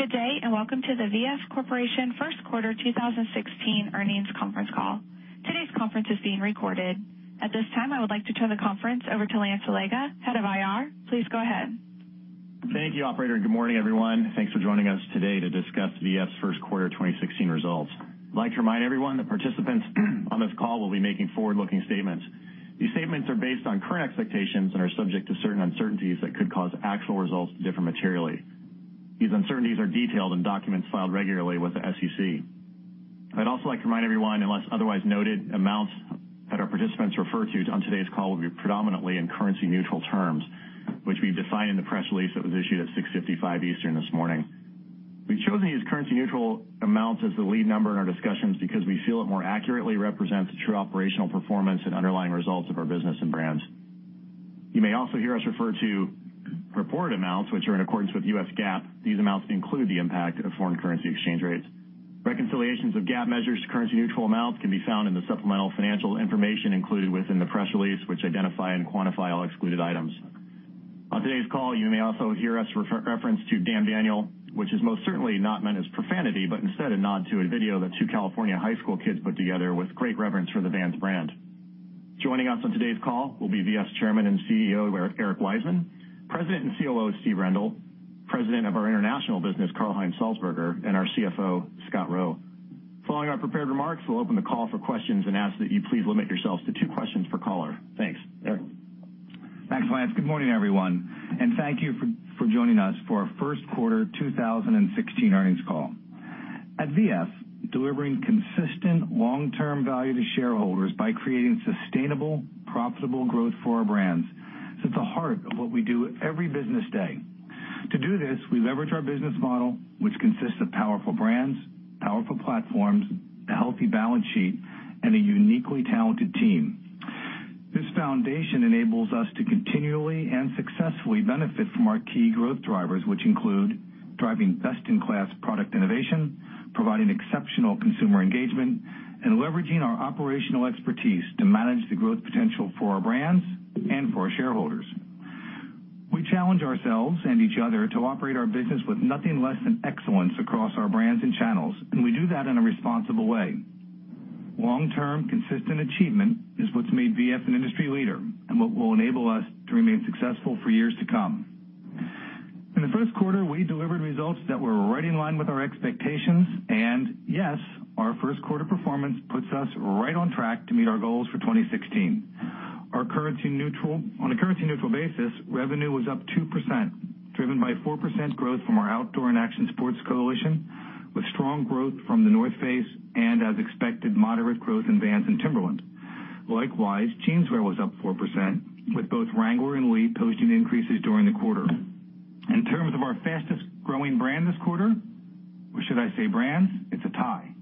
Good day. Welcome to the V.F. Corporation first quarter 2016 earnings conference call. Today's conference is being recorded. At this time, I would like to turn the conference over to Lance Allega, Head of IR. Please go ahead. Thank you, operator. Good morning, everyone. Thanks for joining us today to discuss V.F.'s first quarter 2016 results. I'd like to remind everyone that participants on this call will be making forward-looking statements. These statements are based on current expectations and are subject to certain uncertainties that could cause actual results to differ materially. These uncertainties are detailed in documents filed regularly with the SEC. I'd also like to remind everyone, unless otherwise noted, amounts that our participants refer to on today's call will be predominantly in currency-neutral terms, which we've defined in the press release that was issued at 6:55 A.M. Eastern this morning. We've chosen these currency-neutral amounts as the lead number in our discussions because we feel it more accurately represents the true operational performance and underlying results of our business and brands. You may also hear us refer to reported amounts, which are in accordance with U.S. GAAP. These amounts include the impact of foreign currency exchange rates. Reconciliations of GAAP measures to currency-neutral amounts can be found in the supplemental financial information included within the press release, which identify and quantify all excluded items. On today's call, you may also hear us reference "Damn Daniel," which is most certainly not meant as profanity, but instead a nod to a video that two California high school kids put together with great reverence for the Vans brand. Joining us on today's call will be V.F.'s Chairman and CEO, Eric Wiseman, President and COO, Steve Rendle, President of our International business, Karl Heinz Salzburger, and our CFO, Scott Roe. Following our prepared remarks, we'll open the call for questions and ask that you please limit yourselves to two questions per caller. Thanks. Eric? Thanks, Lance. Good morning, everyone. Thank you for joining us for our first quarter 2016 earnings call. At V.F., delivering consistent long-term value to shareholders by creating sustainable, profitable growth for our brands is at the heart of what we do every business day. To do this, we leverage our business model, which consists of powerful brands, powerful platforms, a healthy balance sheet, and a uniquely talented team. This foundation enables us to continually and successfully benefit from our key growth drivers, which include driving best-in-class product innovation, providing exceptional consumer engagement, and leveraging our operational expertise to manage the growth potential for our brands and for our shareholders. We challenge ourselves and each other to operate our business with nothing less than excellence across our brands and channels. We do that in a responsible way. Long-term, consistent achievement is what's made V.F. an industry leader and what will enable us to remain successful for years to come. In the first quarter, we delivered results that were right in line with our expectations. Yes, our first quarter performance puts us right on track to meet our goals for 2016. On a currency-neutral basis, revenue was up 2%, driven by 4% growth from our Outdoor and Action Sports coalition, with strong growth from The North Face and, as expected, moderate growth in Vans and Timberland. Likewise, jeanswear was up 4%, with both Wrangler and Lee posting increases during the quarter. In terms of our fastest-growing brand this quarter, or should I say brands, it's a tie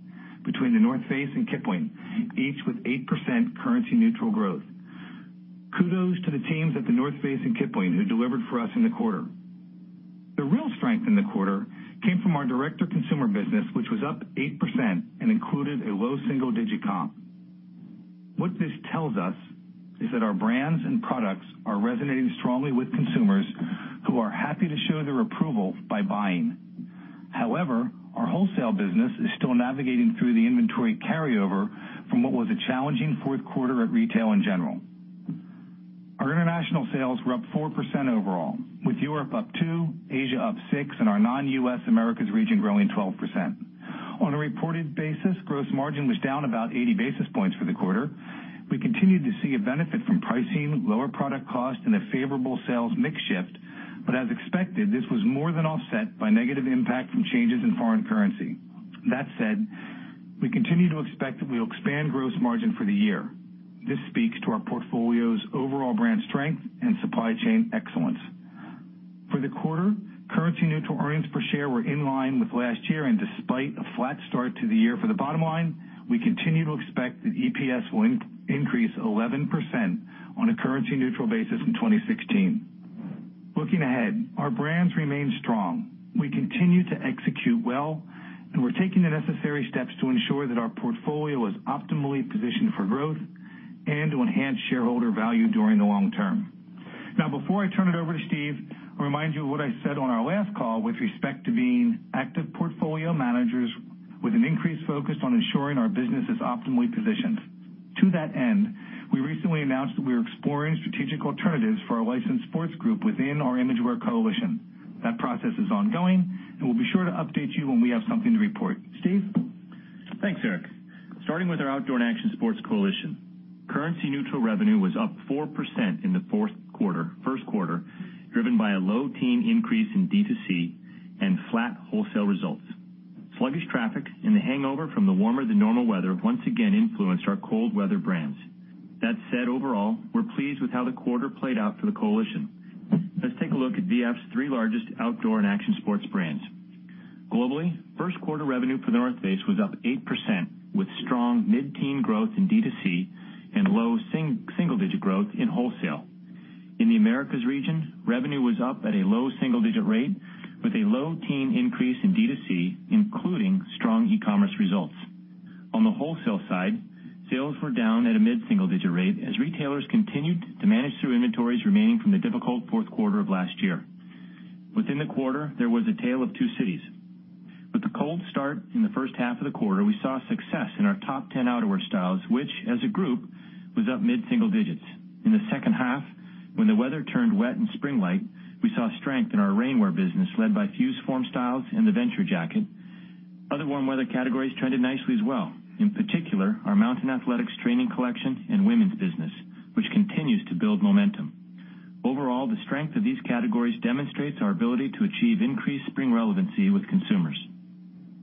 between The North Face and Kipling, each with 8% currency-neutral growth. Kudos to the teams at The North Face and Kipling, who delivered for us in the quarter. The real strength in the quarter came from our direct-to-consumer business, which was up 8% and included a low single-digit comp. What this tells us is that our brands and products are resonating strongly with consumers who are happy to show their approval by buying. Our wholesale business is still navigating through the inventory carryover from what was a challenging fourth quarter at retail in general. Our international sales were up 4% overall, with Europe up 2, Asia up 6, and our non-U.S. Americas region growing 12%. On a reported basis, gross margin was down about 80 basis points for the quarter. We continued to see a benefit from pricing, lower product cost, and a favorable sales mix shift. As expected, this was more than offset by negative impact from changes in foreign currency. That said, we continue to expect that we'll expand gross margin for the year. This speaks to our portfolio's overall brand strength and supply chain excellence. For the quarter, currency-neutral earnings per share were in line with last year. Despite a flat start to the year for the bottom line, we continue to expect that EPS will increase 11% on a currency-neutral basis in 2016. Looking ahead, our brands remain strong. We continue to execute well. We're taking the necessary steps to ensure that our portfolio is optimally positioned for growth and to enhance shareholder value during the long term. Before I turn it over to Steve, I'll remind you of what I said on our last call with respect to being active portfolio managers with an increased focus on ensuring our business is optimally positioned. To that end, we recently announced that we are exploring strategic alternatives for our Licensed Sports Group within our Imagewear coalition. That process is ongoing. We'll be sure to update you when we have something to report. Steve? Thanks, Eric. Starting with our Outdoor and Action Sports coalition. Currency-neutral revenue was up 4% in the first quarter, driven by a low teen increase in D2C and flat wholesale results. Sluggish traffic and the hangover from the warmer than normal weather once again influenced our cold weather brands. That said, overall, we're pleased with how the quarter played out for the coalition. Let's take a look at V.F.'s three largest Outdoor and Action Sports brands. Globally, first quarter revenue for The North Face was up 8%, with strong mid-teen growth in D2C and low single-digit growth in wholesale. In the Americas region, revenue was up at a low single-digit rate with a low teen increase in D2C, including strong e-commerce results. On the wholesale side, sales were down at a mid-single-digit rate as retailers continued to manage through inventories remaining from the difficult fourth quarter of last year. Within the quarter, there was a tale of two cities. With the cold start in the first half of the quarter, we saw success in our top 10 outerwear styles, which as a group was up mid-single digits. In the second half, when the weather turned wet and spring-like, we saw strength in our rainwear business, led by FuseForm styles and the Venture jacket. Other warm weather categories trended nicely as well, in particular, our Mountain Athletics training collection and women's business, which continues to build momentum. Overall, the strength of these categories demonstrates our ability to achieve increased spring relevancy with consumers.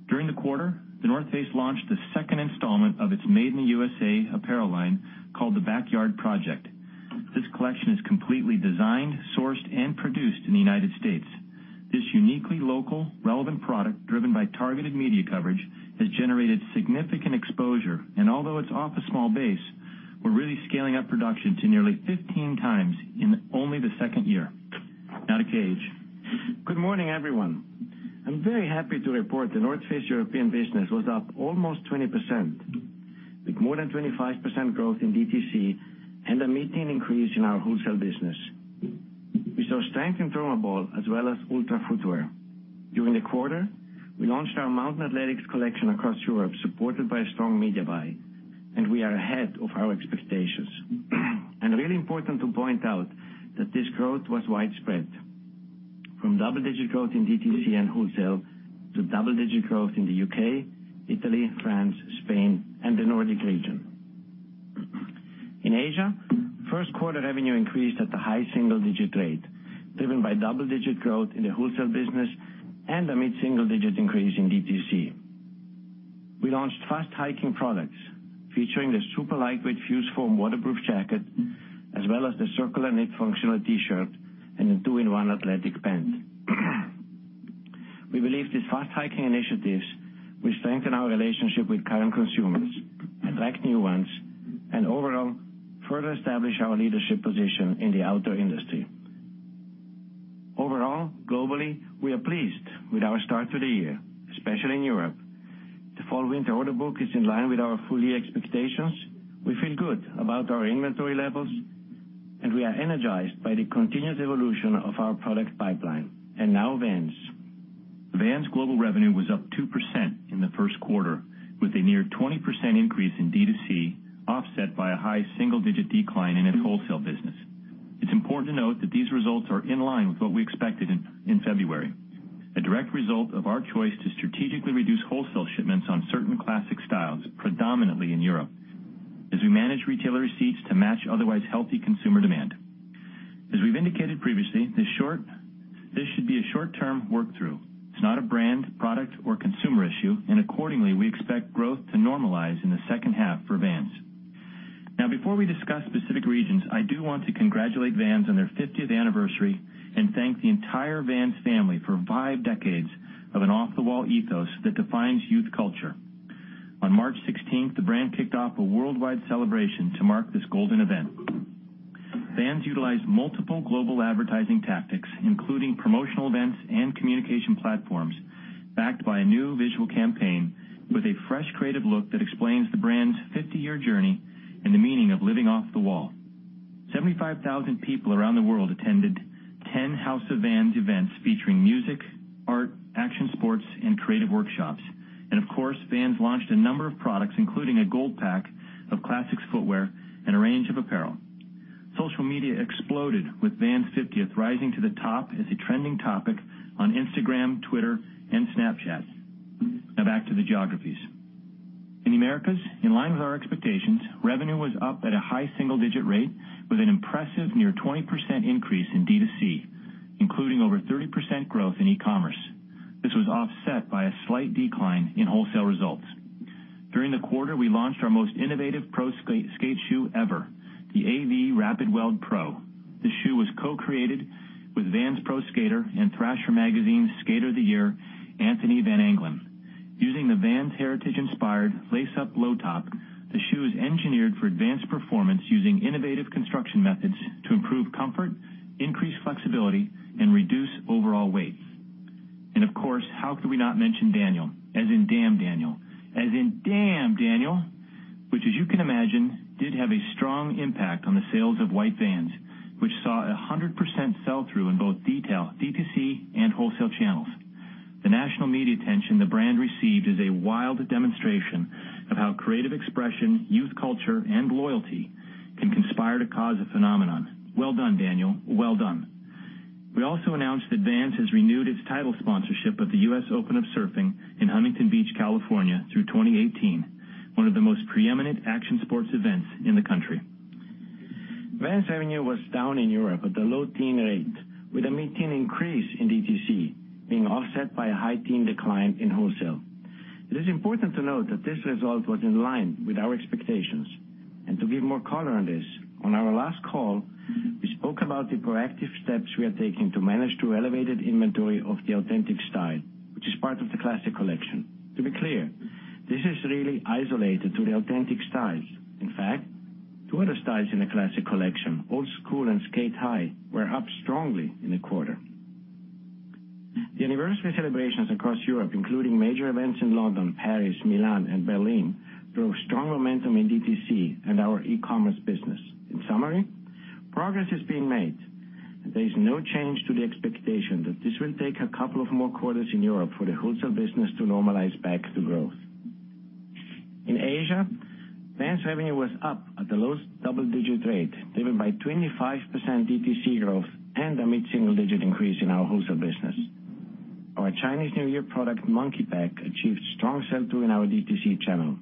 During the quarter, The North Face launched the second installment of its Made in the U.S.A. apparel line, called The Backyard Project. This collection is completely designed, sourced, and produced in the United States. This uniquely local, relevant product, driven by targeted media coverage, has generated significant exposure, and although it's off a small base, we're really scaling up production to nearly 15 times in only the second year. Now to KH. Good morning, everyone. I'm very happy to report The North Face European business was up almost 20%, with more than 25% growth in D2C and a mid-teen increase in our wholesale business. We saw strength in ThermoBall as well as Ultra footwear. During the quarter, we launched our Mountain Athletics collection across Europe, supported by a strong media buy, and we are ahead of our expectations. Really important to point out that this growth was widespread, from double-digit growth in D2C and wholesale to double-digit growth in the U.K., Italy, France, Spain, and the Nordic region. In Asia, first quarter revenue increased at the high single-digit rate, driven by double-digit growth in the wholesale business and a mid-single-digit increase in D2C. We launched fast hiking products, featuring the super lightweight FuseForm waterproof jacket, as well as the circular knit functional T-shirt and a two-in-one athletic pant. We believe these fast hiking initiatives will strengthen our relationship with current consumers, attract new ones, and overall, further establish our leadership position in the outdoor industry. Overall, globally, we are pleased with our start to the year, especially in Europe. The fall-winter order book is in line with our full year expectations. We feel good about our inventory levels, and we are energized by the continuous evolution of our product pipeline. Now Vans. Vans global revenue was up 2% in the first quarter, with a near 20% increase in D2C, offset by a high single-digit decline in its wholesale business. It's important to note that these results are in line with what we expected in February, a direct result of our choice to strategically reduce wholesale shipments on certain classic styles, predominantly in Europe, as we manage retailer receipts to match otherwise healthy consumer demand. As we've indicated previously, this should be a short-term work-through. It's not a brand, product, or consumer issue, and accordingly, we expect growth to normalize in the second half for Vans. Now, before we discuss specific regions, I do want to congratulate Vans on their 50th anniversary and thank the entire Vans family for five decades of an off-the-wall ethos that defines youth culture. On March 16th, the brand kicked off a worldwide celebration to mark this golden event. Vans utilized multiple global advertising tactics, including promotional events and communication platforms, backed by a new visual campaign with a fresh, creative look that explains the brand's 50-year journey and the meaning of living off the wall. 75,000 people around the world attended 10 House of Vans events featuring music, art, action sports, and creative workshops. Of course, Vans launched a number of products, including a gold pack of classics footwear and a range of apparel. Social media exploded with Vans 50th, rising to the top as a trending topic on Instagram, Twitter, and Snapchat. Now back to the geographies. In the Americas, in line with our expectations, revenue was up at a high single-digit rate with an impressive near 20% increase in D2C, including over 30% growth in e-commerce. This was offset by a slight decline in wholesale results. During the quarter, we launched our most innovative pro skate shoe ever, the AV Rapidweld Pro. This shoe was co-created with Vans pro skater and Thrasher magazine Skater of the Year, Anthony Van Engelen. Using the Vans heritage-inspired lace-up low top, the shoe is engineered for advanced performance using innovative construction methods to improve comfort, increase flexibility, and reduce overall weight. Of course, how could we not mention Daniel, as in Damn, Daniel. As in Damn, Daniel, which as you can imagine, did have a strong impact on the sales of white Vans, which saw 100% sell-through in both D2C and wholesale channels. The national media attention the brand received is a wild demonstration of how creative expression, youth culture, and loyalty can conspire to cause a phenomenon. Well done, Daniel. Well done. We also announced that Vans has renewed its title sponsorship of the U.S. Open of Surfing in Huntington Beach, California through 2018, one of the most preeminent action sports events in the country. Vans revenue was down in Europe at the low teen rate, with a mid-teen increase in D2C being offset by a high teen decline in wholesale. It is important to note that this result was in line with our expectations, and to give more color on this, on our last call, we spoke about the proactive steps we are taking to manage through elevated inventory of the Authentic style, which is part of the classic collection. To be clear, this is really isolated to the Authentic styles. In fact, two other styles in the classic collection, Old Skool and Sk8-Hi, were up strongly in the quarter. The anniversary celebrations across Europe, including major events in London, Paris, Milan, and Berlin, drove strong momentum in DTC and our e-commerce business. In summary, progress is being made, and there is no change to the expectation that this will take a couple of more quarters in Europe for the wholesale business to normalize back to growth. In Asia, Vans revenue was up at the lowest double-digit rate, driven by 25% DTC growth and a mid-single digit increase in our wholesale business. Our Chinese New Year product, Monkey Pack, achieved strong sell-through in our DTC channel.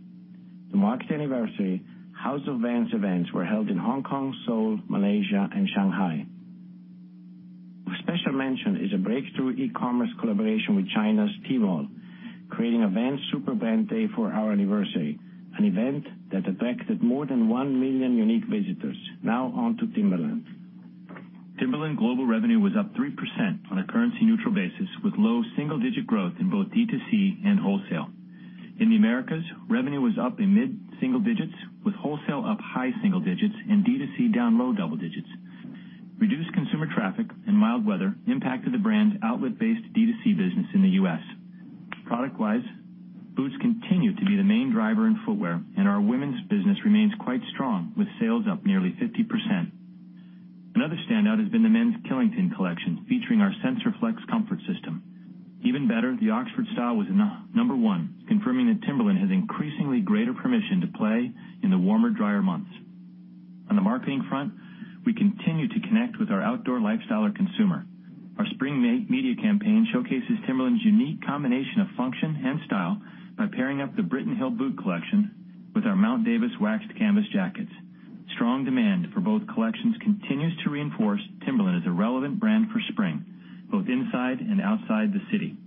To mark the anniversary, House of Vans events were held in Hong Kong, Seoul, Malaysia, and Shanghai. Of special mention is a breakthrough e-commerce collaboration with China's Tmall, creating a Vans super brand day for our anniversary, an event that attracted more than 1 million unique visitors. Now on to Timberland. Timberland global revenue was up 3% on a currency-neutral basis, with low single-digit growth in both DTC and wholesale. In the Americas, revenue was up in mid-single digits, with wholesale up high single digits and DTC down low double digits. Reduced consumer traffic and mild weather impacted the brand's outlet-based DTC business in the U.S. Product-wise, boots continue to be the main driver in footwear, and our women's business remains quite strong, with sales up nearly 50%. Another standout has been the men's Killington collection, featuring our SensorFlex comfort system. Even better, the Oxford style was number 1, confirming that Timberland has increasingly greater permission to play in the warmer, drier months. On the marketing front, we continue to connect with our outdoor lifestyler consumer. Our spring media campaign showcases Timberland's unique combination of function and style by pairing up the Britton Hill boot collection with our Mount Davis waxed canvas jackets. Strong demand for both collections continues to reinforce Timberland as a relevant brand for spring, both inside and outside the city.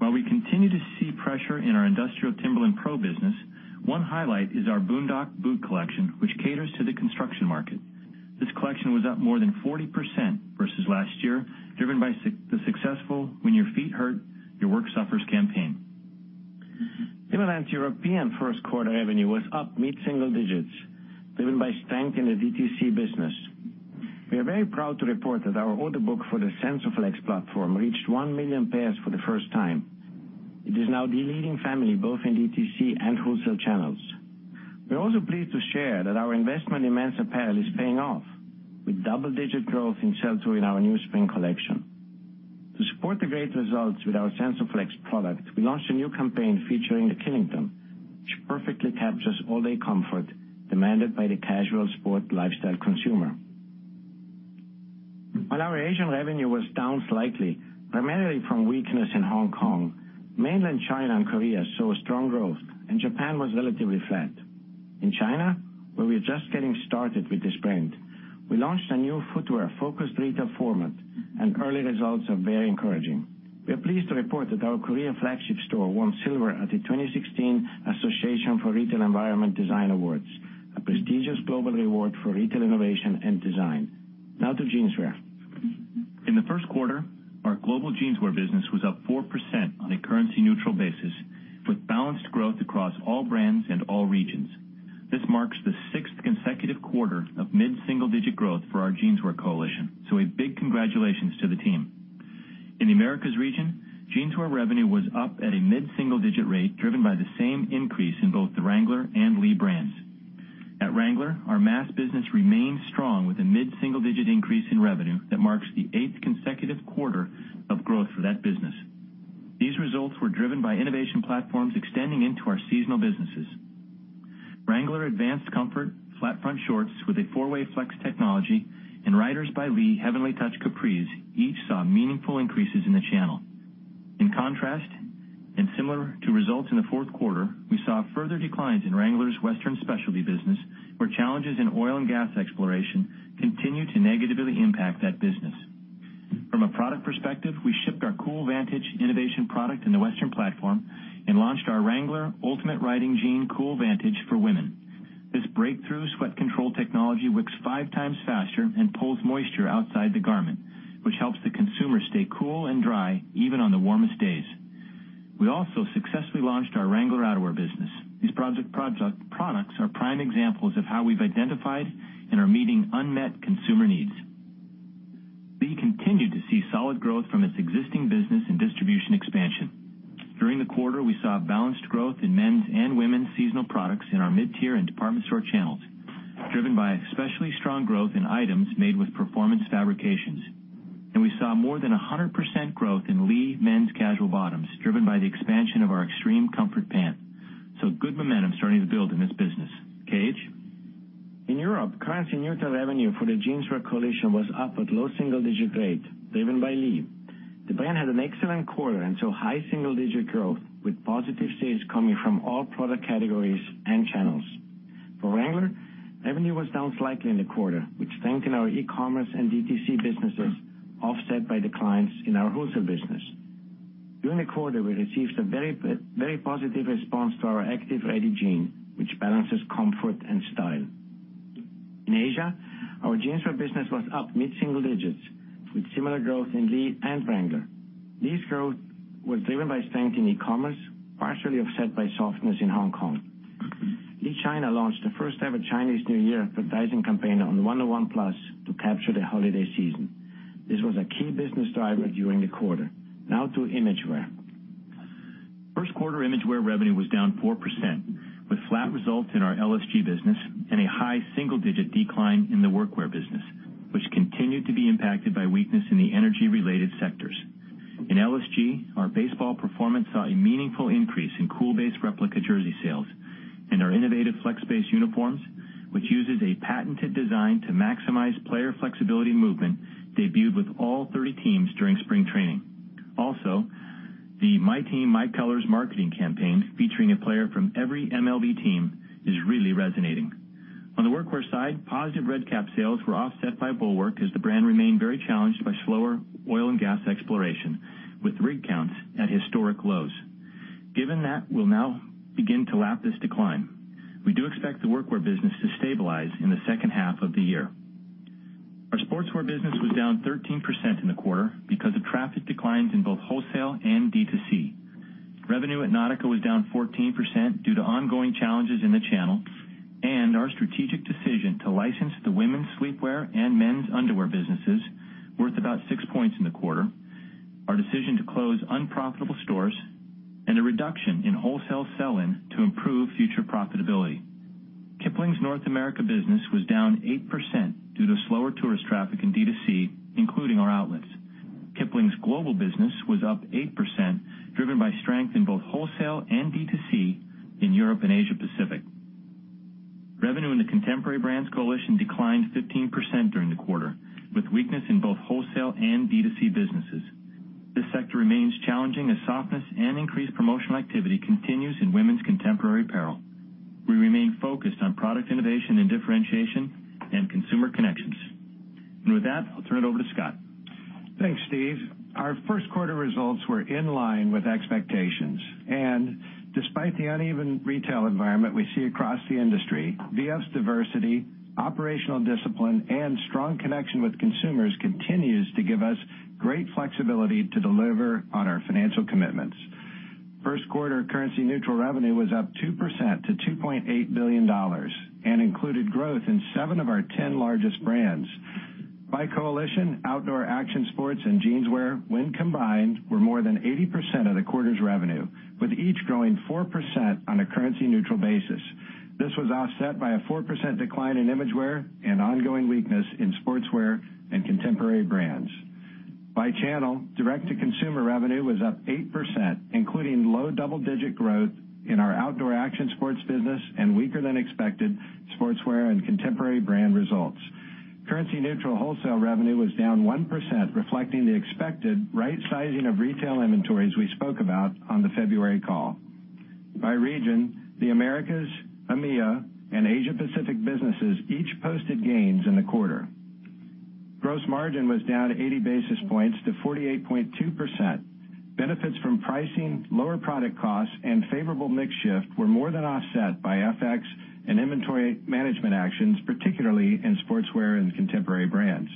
While we continue to see pressure in our industrial Timberland PRO business, one highlight is our Boondock boot collection, which caters to the construction market. This collection was up more than 40% versus last year, driven by the successful When Your Feet Hurt, Your Work Suffers campaign. Timberland's European first quarter revenue was up mid-single digits, driven by strength in the DTC business. We are very proud to report that our order book for the SensorFlex platform reached 1 million pairs for the first time. It is now the leading family both in DTC and wholesale channels. We are also pleased to share that our investment in men's apparel is paying off, with double-digit growth in sell-through in our new spring collection. To support the great results with our SensorFlex product, we launched a new campaign featuring the Killington, which perfectly captures all-day comfort demanded by the casual sport lifestyle consumer. While our Asian revenue was down slightly, primarily from weakness in Hong Kong, mainland China and Korea saw strong growth, and Japan was relatively flat. In China, where we are just getting started with this brand, we launched a new footwear-focused retail format, and early results are very encouraging. We are pleased to report that our Korea flagship store won silver at the 2016 Association for Retail Environments Design Awards, a prestigious global award for retail innovation and design. Now to jeanswear. In the first quarter, our global Jeanswear business was up 4% on a currency-neutral basis, with balanced growth across all brands and all regions. This marks the sixth consecutive quarter of mid-single digit growth for our Jeanswear coalition, so a big congratulations to the team. In the Americas region, jeanswear revenue was up at a mid-single digit rate, driven by the same increase in both the Wrangler and Lee brands. At Wrangler, our mass business remains strong with a mid-single digit increase in revenue that marks the eighth consecutive quarter of growth for that business. These results were driven by innovation platforms extending into our seasonal businesses. Wrangler advanced comfort flat-front shorts with a four-way flex technology and Riders by Lee Heavenly Touch capris each saw meaningful increases in the channel. Similar to results in the fourth quarter, we saw further declines in Wrangler's Western specialty business, where challenges in oil and gas exploration continue to negatively impact that business. From a product perspective, we shipped our CoolVantage innovation product in the Western platform and launched our Wrangler Ultimate Riding Jean CoolVantage for women. This breakthrough sweat control technology wicks five times faster and pulls moisture outside the garment, which helps the consumer stay cool and dry even on the warmest days. We also successfully launched our Wrangler outerwear business. These products are prime examples of how we've identified and are meeting unmet consumer needs. We continue to see solid growth from its existing business and distribution expansion. During the quarter, we saw balanced growth in men's and women's seasonal products in our mid-tier and department store channels, driven by especially strong growth in items made with performance fabrications. We saw more than 100% growth in Lee men's casual bottoms, driven by the expansion of our Extreme Comfort Pant. Good momentum starting to build in this business. KH? In Europe, currency neutral revenue for the jeanswear coalition was up at low single-digit rate, driven by Lee. The brand had an excellent quarter and saw high single-digit growth with positive sales coming from all product categories and channels. For Wrangler, revenue was down slightly in the quarter, with strength in our e-commerce and DTC businesses offset by declines in our wholesale business. During the quarter, we received a very positive response to our Active Ready jean, which balances comfort and style. In Asia, our jeanswear business was up mid-single digits with similar growth in Lee and Wrangler. Lee's growth was driven by strength in e-commerce, partially offset by softness in Hong Kong. Lee China launched the first-ever Chinese New Year advertising campaign on 101PLUS to capture the holiday season. This was a key business driver during the quarter. Now to Imagewear. First quarter Imagewear revenue was down 4%, with flat results in our LSG business and a high single-digit decline in the workwear business, which continued to be impacted by weakness in the energy-related sectors. In LSG, our baseball performance saw a meaningful increase in Cool Base replica jersey sales, and our innovative Flex Base uniforms, which uses a patented design to maximize player flexibility and movement, debuted with all 30 teams during spring training. The My Team My Colors marketing campaign, featuring a player from every MLB team, is really resonating. On the workwear side, positive Red Kap sales were offset by Bulwark as the brand remained very challenged by slower oil and gas exploration, with rig counts at historic lows. Given that, we'll now begin to lap this decline. We do expect the workwear business to stabilize in the second half of the year. Our Sportswear business was down 13% in the quarter because of traffic declines in both wholesale and D2C. Revenue at Nautica was down 14% due to ongoing challenges in the channel and our strategic decision to license the women's sleepwear and men's underwear businesses, worth about six points in the quarter, our decision to close unprofitable stores, and a reduction in wholesale sell-in to improve future profitability. Kipling's North America business was down 8% due to slower tourist traffic in D2C, including our outlets. Kipling's global business was up 8%, driven by strength in both wholesale and D2C in Europe and Asia Pacific. Revenue in the Contemporary Brands coalition declined 15% during the quarter, with weakness in both wholesale and D2C businesses. This sector remains challenging as softness and increased promotional activity continues in women's contemporary apparel. We remain focused on product innovation and differentiation and consumer connections. With that, I'll turn it over to Scott. Thanks, Steve. Our first quarter results were in line with expectations. Despite the uneven retail environment we see across the industry, VF's diversity, operational discipline, and strong connection with consumers continues to give us great flexibility to deliver on our financial commitments. First quarter currency-neutral revenue was up 2% to $2.8 billion and included growth in seven of our 10 largest brands. By coalition, Outdoor and Action Sports and Jeanswear, when combined, were more than 80% of the quarter's revenue, with each growing 4% on a currency-neutral basis. This was offset by a 4% decline in Imagewear and ongoing weakness in Sportswear and Contemporary Brands. By channel, direct-to-consumer revenue was up 8%, including low double-digit growth in our Outdoor and Action Sports business and weaker-than-expected Sportswear and Contemporary Brands results. Currency-neutral wholesale revenue was down 1%, reflecting the expected right sizing of retail inventories we spoke about on the February call. By region, the Americas, EMEA, and Asia Pacific businesses each posted gains in the quarter. Gross margin was down 80 basis points to 48.2%. Benefits from pricing, lower product costs, and favorable mix shift were more than offset by FX and inventory management actions, particularly in sportswear and Contemporary Brands.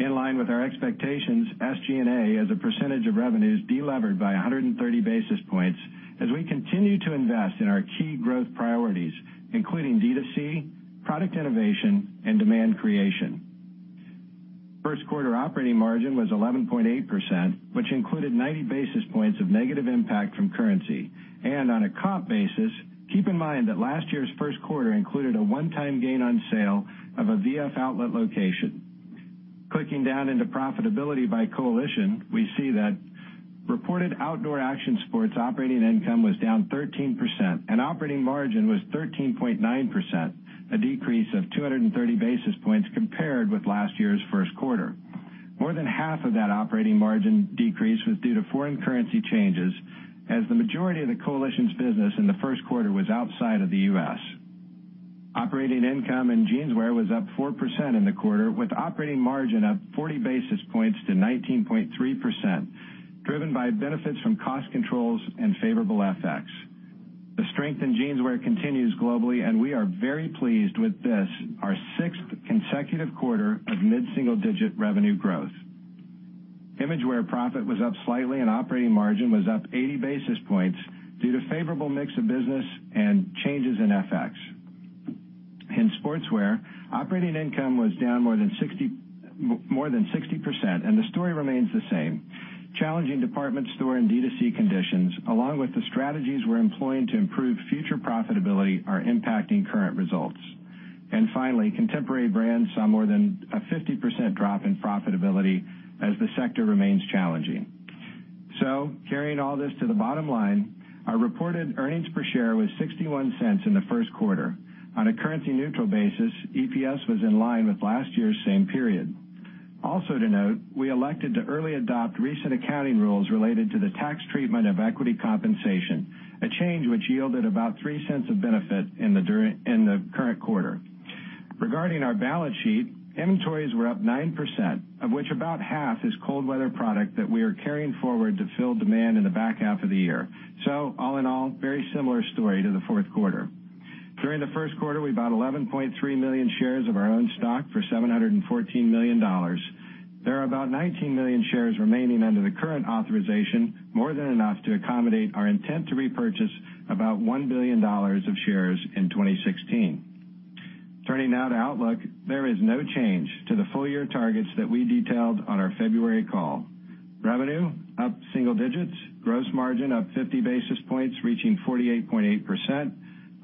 In line with our expectations, SG&A, as a percentage of revenues, delevered by 130 basis points as we continue to invest in our key growth priorities, including D2C, product innovation, and demand creation. First quarter operating margin was 11.8%, which included 90 basis points of negative impact from currency. On a comp basis, keep in mind that last year's first quarter included a one-time gain on sale of a VF Outlet location. Clicking down into profitability by coalition, we see that reported Outdoor & Action Sports operating income was down 13%, and operating margin was 13.9%, a decrease of 230 basis points compared with last year's first quarter. More than half of that operating margin decrease was due to foreign currency changes, as the majority of the coalition's business in the first quarter was outside of the U.S. Operating income in jeanswear was up 4% in the quarter, with operating margin up 40 basis points to 19.3%, driven by benefits from cost controls and favorable FX. The strength in jeanswear continues globally, and we are very pleased with this, our sixth consecutive quarter of mid-single-digit revenue growth. Imagewear profit was up slightly, and operating margin was up 80 basis points due to favorable mix of business and changes in FX. In sportswear, operating income was down more than 60%, and the story remains the same. Challenging department store and D2C conditions, along with the strategies we're employing to improve future profitability, are impacting current results. Finally, Contemporary Brands saw more than a 50% drop in profitability as the sector remains challenging. Carrying all this to the bottom line, our reported earnings per share was $0.61 in the first quarter. On a currency-neutral basis, EPS was in line with last year's same period. Also to note, we elected to early adopt recent accounting rules related to the tax treatment of equity compensation, a change which yielded about $0.03 of benefit in the current quarter. Regarding our balance sheet, inventories were up 9%, of which about half is cold weather product that we are carrying forward to fill demand in the back half of the year. All in all, very similar story to the fourth quarter. During the first quarter, we bought 11.3 million shares of our own stock for $714 million. There are about 19 million shares remaining under the current authorization, more than enough to accommodate our intent to repurchase about $1 billion of shares in 2016. Turning now to outlook. There is no change to the full-year targets that we detailed on our February call. Revenue up single digits, gross margin up 50 basis points, reaching 48.8%,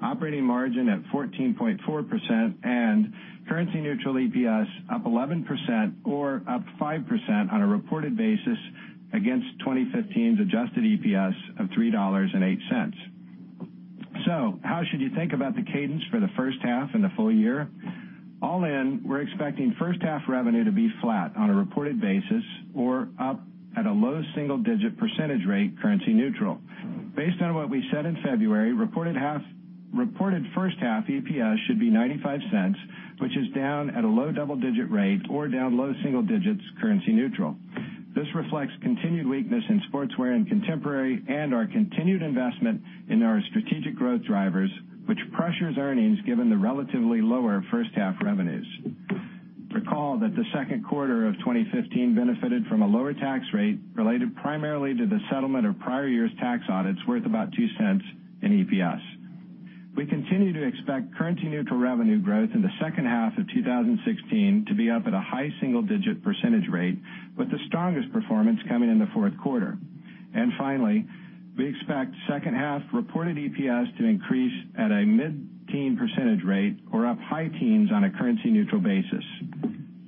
operating margin at 14.4%, and currency-neutral EPS up 11% or up 5% on a reported basis against 2015's adjusted EPS of $3.08. How should you think about the cadence for the first half and the full year? All in, we're expecting first half revenue to be flat on a reported basis or up at a low single-digit percentage rate currency neutral. Based on what we said in February, reported first half EPS should be $0.95, which is down at a low double-digit rate or down low single digits currency neutral. This reflects continued weakness in sportswear and Contemporary Brands and our continued investment in our strategic growth drivers, which pressures earnings given the relatively lower first half revenues. Recall that the second quarter of 2015 benefited from a lower tax rate related primarily to the settlement of prior year's tax audits worth about $0.02 in EPS. We continue to expect currency-neutral revenue growth in the second half of 2016 to be up at a high single-digit percentage rate, with the strongest performance coming in the fourth quarter. Finally, we expect second half reported EPS to increase at a mid-teen percentage rate or up high teens on a currency neutral basis.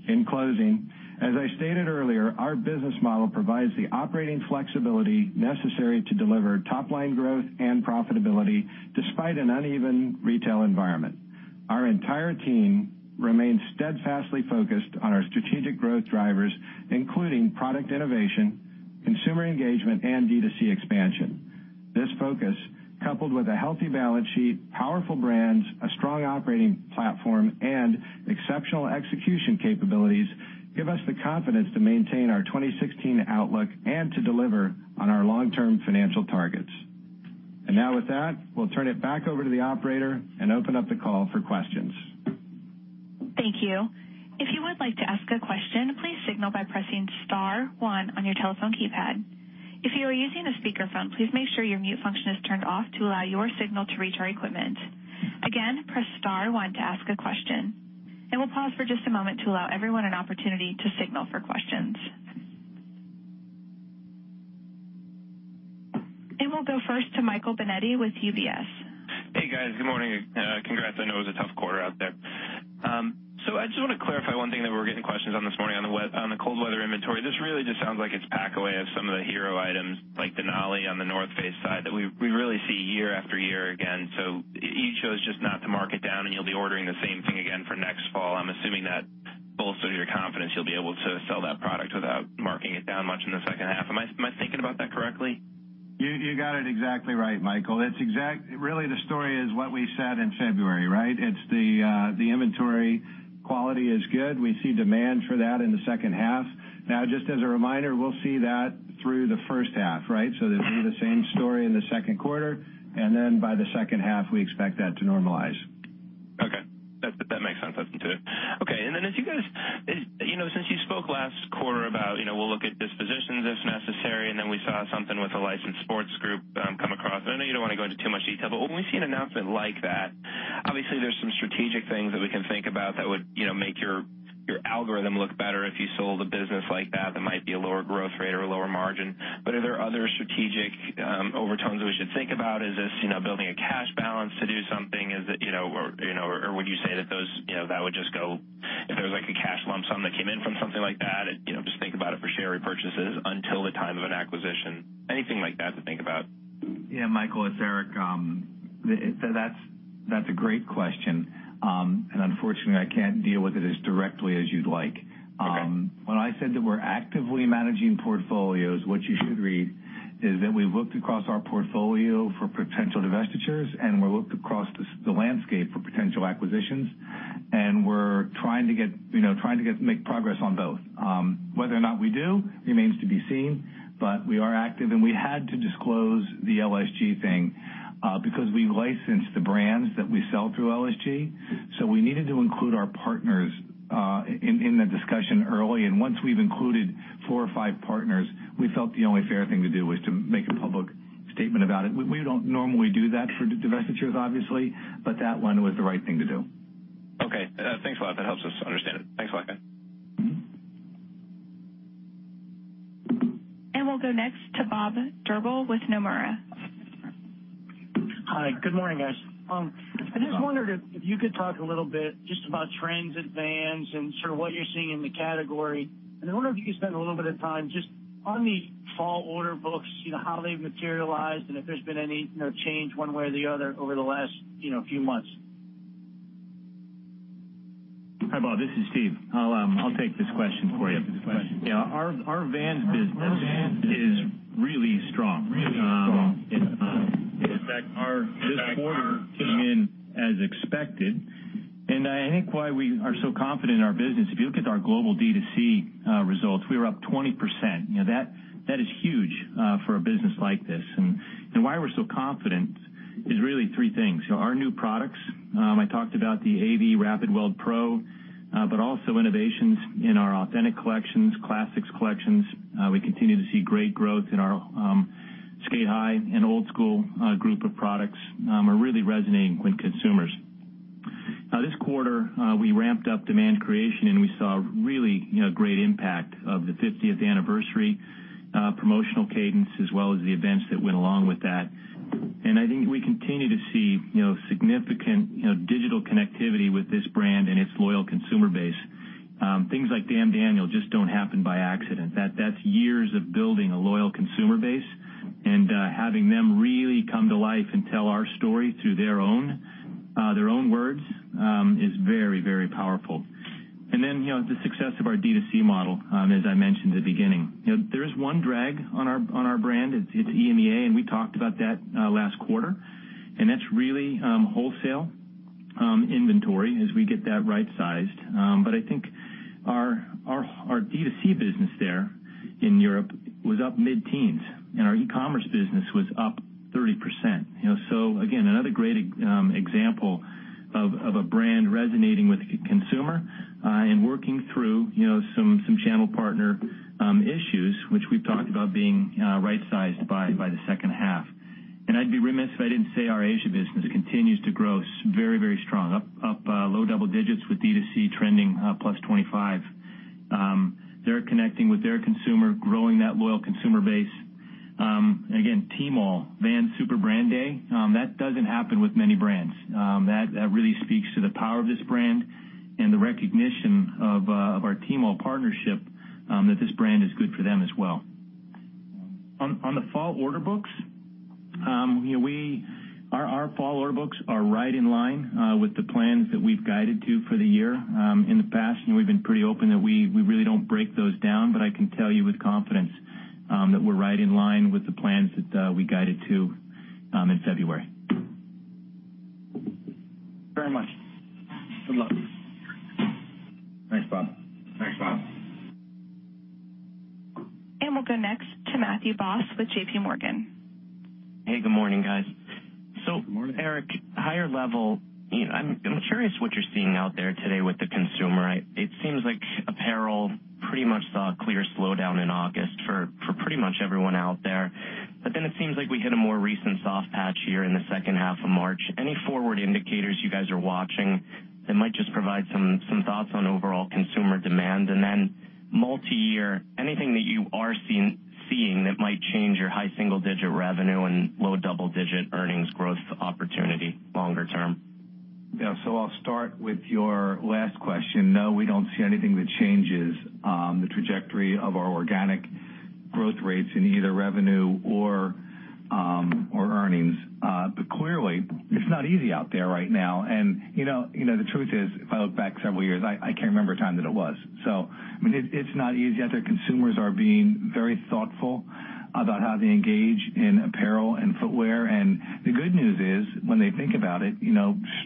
In closing, as I stated earlier, our business model provides the operating flexibility necessary to deliver top-line growth and profitability despite an uneven retail environment. Our entire team remains steadfastly focused on our strategic growth drivers, including product innovation, consumer engagement, and D2C expansion. This focus, coupled with a healthy balance sheet, powerful brands, a strong operating platform, and exceptional execution capabilities, give us the confidence to maintain our 2016 outlook and to deliver on our long-term financial targets. Now with that, we'll turn it back over to the operator and open up the call for questions. Thank you. If you would like to ask a question, please signal by pressing *1 on your telephone keypad. If you are using a speakerphone, please make sure your mute function is turned off to allow your signal to reach our equipment. Again, press *1 to ask a question. We'll pause for just a moment to allow everyone an opportunity to signal for questions. We'll go first to Michael Binetti with UBS. Hey, guys. Good morning. Congrats. I know it was a tough quarter out there. I just want to clarify one thing that we're getting questions on this morning on the cold weather inventory. This really just sounds like it's pack away of some of the hero items like Denali on The North Face side that we really see year after year again. You chose just not to mark it down, and you'll be ordering the same thing again for next fall. I'm assuming that bolsters your confidence you'll be able to sell that product without marking it down much in the second half. Am I thinking about that correctly? You got it exactly right, Michael. Really the story is what we said in February, right? It's the inventory quality is good. We see demand for that in the second half. Now, just as a reminder, we'll see that through the first half, right? It'll be the same story in the second quarter, and then by the second half, we expect that to normalize. Okay. That makes sense. Listen to it. Okay. Since you spoke last quarter about we'll look at dispositions if necessary, and then we saw something with a Licensed Sports Group come across. I know you don't want to go into too much detail, but when we see an announcement like that, obviously there's some strategic things that we can think about that would make your algorithm look better if you sold a business like that. That might be a lower growth rate or a lower margin. Are there other strategic overtones that we should think about? Is this building a cash balance to do something? Would you say that would just go? If there was like a cash lump sum that came in from something like that, just think about it for share repurchases until the time of an acquisition. Anything like that to think about? Yeah. Michael, it's Eric. That's a great question. Unfortunately, I can't deal with it as directly as you'd like. Okay. When I said that we're actively managing portfolios, what you should read is that we've looked across our portfolio for potential divestitures, and we looked across the landscape for potential acquisitions, and we're trying to make progress on both. Whether or not we do remains to be seen, but we are active, and we had to disclose the LSG thing because we licensed the brands that we sell through LSG. We needed to include our partners in the discussion early. Once we've included four or five partners, we felt the only fair thing to do was to make a public statement about it. We don't normally do that for divestitures, obviously, but that one was the right thing to do. Okay, thanks a lot. That helps us understand it. Thanks a lot. We'll go next to Bob Drbul with Nomura. Hi. Good morning, guys. I just wondered if you could talk a little bit just about trends at Vans and sort of what you're seeing in the category. I wonder if you could spend a little bit of time just on the fall order books, how they've materialized, and if there's been any change one way or the other over the last few months. Hi, Bob. This is Steve. I'll take this question for you. Yeah. Our Vans business is really strong. In fact, this quarter came in as expected I think why we are so confident in our business, if you look at our global D2C results, we were up 20%. That is huge for a business like this. Why we're so confident is really three things. Our new products, I talked about the AV Rapidweld Pro, but also innovations in our Authentic collections, classics collections. We continue to see great growth in our Sk8-Hi and Old Skool group of products are really resonating with consumers. This quarter, we ramped up demand creation, and we saw really great impact of the 50th anniversary promotional cadence as well as the events that went along with that. I think we continue to see significant digital connectivity with this brand and its loyal consumer base. Things like Damn Daniel just don't happen by accident. That's years of building a loyal consumer base and having them really come to life and tell our story through their own words is very powerful. Then the success of our D2C model as I mentioned at the beginning. There is one drag on our brand. It's EMEA, and we talked about that last quarter, and that's really wholesale inventory as we get that right-sized. I think our D2C business there in Europe was up mid-teens, and our e-commerce business was up 30%. Again, another great example of a brand resonating with the consumer and working through some channel partner issues, which we've talked about being right-sized by the second half. I'd be remiss if I didn't say our Asia business continues to grow very strong, up low double digits with D2C trending +25%. They're connecting with their consumer, growing that loyal consumer base. Again, Tmall Vans Super Brand Day. That doesn't happen with many brands. That really speaks to the power of this brand and the recognition of our Tmall partnership that this brand is good for them as well. On the fall order books, our fall order books are right in line with the plans that we've guided to for the year. In the past, we've been pretty open that we really don't break those down, but I can tell you with confidence that we're right in line with the plans that we guided to in February. Very much. Good luck. Thanks, Bob. Thanks, Bob. We'll go next to Matthew Boss with JPMorgan. Hey, good morning, guys. Good morning. Eric, higher level, I'm curious what you're seeing out there today with the consumer. It seems like apparel pretty much saw a clear slowdown in August for pretty much everyone out there. It seems like we hit a more recent soft patch here in the second half of March. Any forward indicators you guys are watching that might just provide some thoughts on overall consumer demand? Multi-year, anything that you are seeing that might change your high single-digit revenue and low double-digit earnings growth opportunity longer term? Yeah. I'll start with your last question. No, we don't see anything that changes the trajectory of our organic growth rates in either revenue or earnings. Clearly, it's not easy out there right now. The truth is, if I look back several years, I can't remember a time that it was. I mean, it's not easy out there. Consumers are being very thoughtful about how they engage in apparel and footwear. The good news is, when they think about it,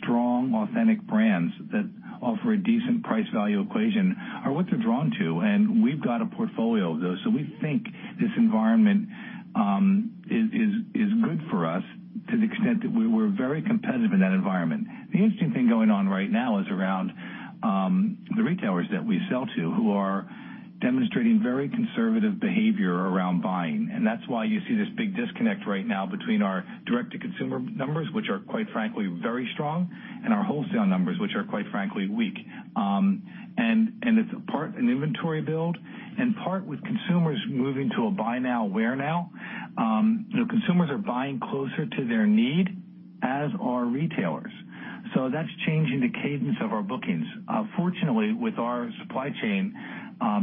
strong, authentic brands that offer a decent price-value equation are what they're drawn to, and we've got a portfolio of those. We think this environment is good for us to the extent that we're very competitive in that environment. The interesting thing going on right now is around the retailers that we sell to who are demonstrating very conservative behavior around buying. That's why you see this big disconnect right now between our direct-to-consumer numbers, which are, quite frankly, very strong, and our wholesale numbers, which are, quite frankly, weak. It's part an inventory build and part with consumers moving to a buy now, wear now. Consumers are buying closer to their need, as are retailers. That's changing the cadence of our bookings. Fortunately, with our supply chain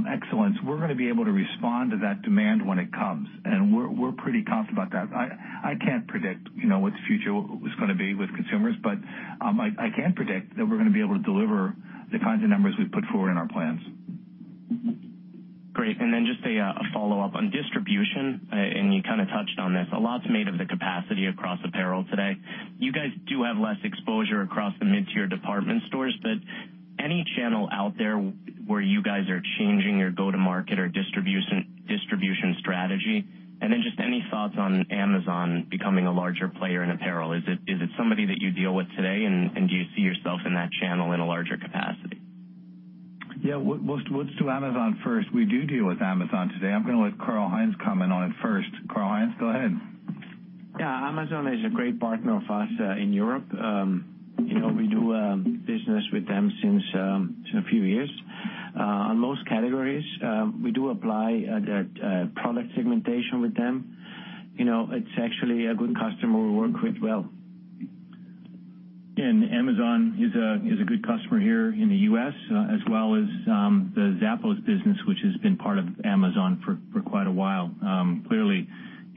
excellence, we're going to be able to respond to that demand when it comes, and we're pretty confident about that. I can't predict what the future is going to be with consumers, but I can predict that we're going to be able to deliver the kinds of numbers we've put forward in our plans. Great. Just a follow-up on distribution, and you kind of touched on this. A lot's made of the capacity across apparel today. You guys do have less exposure across the mid-tier department stores, any channel out there where you guys are changing your go-to-market or distribution strategy? Just any thoughts on Amazon becoming a larger player in apparel. Is it somebody that you deal with today, and do you see yourself in that channel in a larger capacity? Yeah. We'll do Amazon first. We do deal with Amazon today. I'm going to let Karl-Heinz comment on it first. Karl-Heinz, go ahead. Yeah. Amazon is a great partner of us in Europe. We do business with them since a few years. On most categories, we do apply product segmentation with them. It's actually a good customer. We work with well. Amazon is a good customer here in the U.S. as well as the Zappos business, which has been part of Amazon for quite a while. Clearly,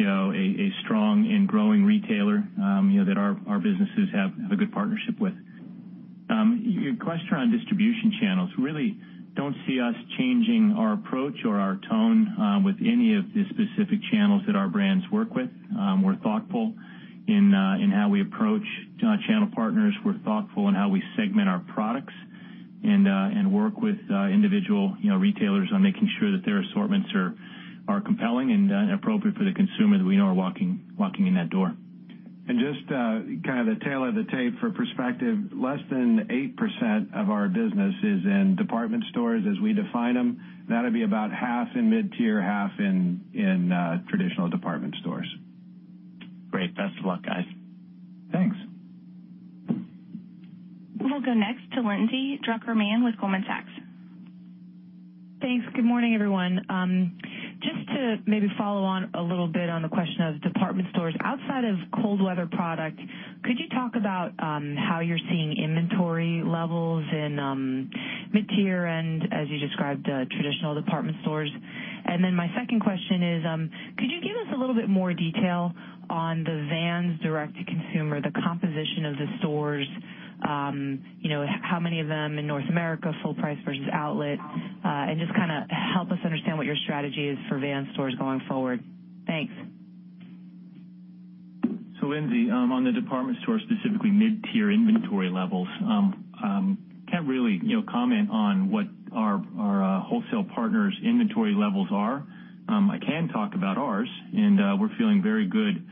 a strong and growing retailer that our businesses have a good partnership with. Your question on distribution channels, really don't see us changing our approach or our tone with any of the specific channels that our brands work with. We're thoughtful in how we approach channel partners. We're thoughtful in how we segment our products work with individual retailers on making sure that their assortments are compelling and appropriate for the consumer that we know are walking in that door. The tale of the tape for perspective, less than 8% of our business is in department stores as we define them. That will be about half in mid-tier, half in traditional department stores. Great. Best of luck, guys. Thanks. We will go next to Lindsay Drucker Mann with Goldman Sachs. Thanks. Good morning, everyone. Just to maybe follow on a little bit on the question of department stores. Outside of cold weather product, could you talk about how you are seeing inventory levels in mid-tier and as you described, traditional department stores? Then my second question is, could you give us a little bit more detail on the Vans direct-to-consumer, the composition of the stores, how many of them in North America, full price versus outlet, and just kind of help us understand what your strategy is for Vans stores going forward. Thanks. Lindsay, on the department store, specifically mid-tier inventory levels, can't really comment on what our wholesale partners' inventory levels are. I can talk about ours, and we're feeling very good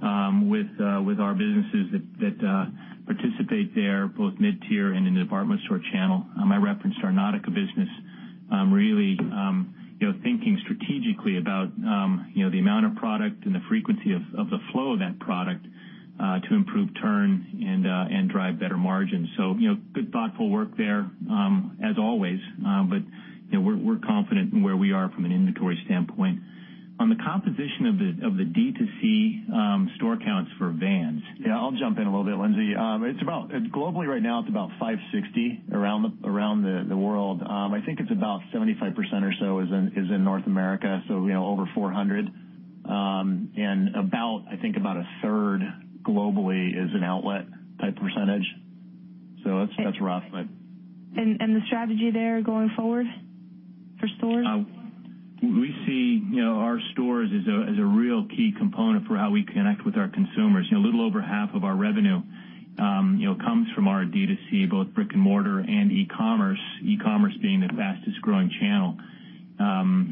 with our businesses that participate there, both mid-tier and in the department store channel. I referenced our Nautica business. Really thinking strategically about the amount of product and the frequency of the flow of that product, to improve turn and drive better margins. Good thoughtful work there as always. We're confident in where we are from an inventory standpoint. On the composition of the D2C store counts for Vans. I'll jump in a little bit, Lindsay. Globally right now it's about 560 around the world. I think it's about 75% or so is in North America, so over 400. I think about a third globally is an outlet type percentage. That's rough. The strategy there going forward for stores? We see our stores as a real key component for how we connect with our consumers. A little over half of our revenue comes from our D2C, both brick and mortar and e-commerce, e-commerce being the fastest growing channel.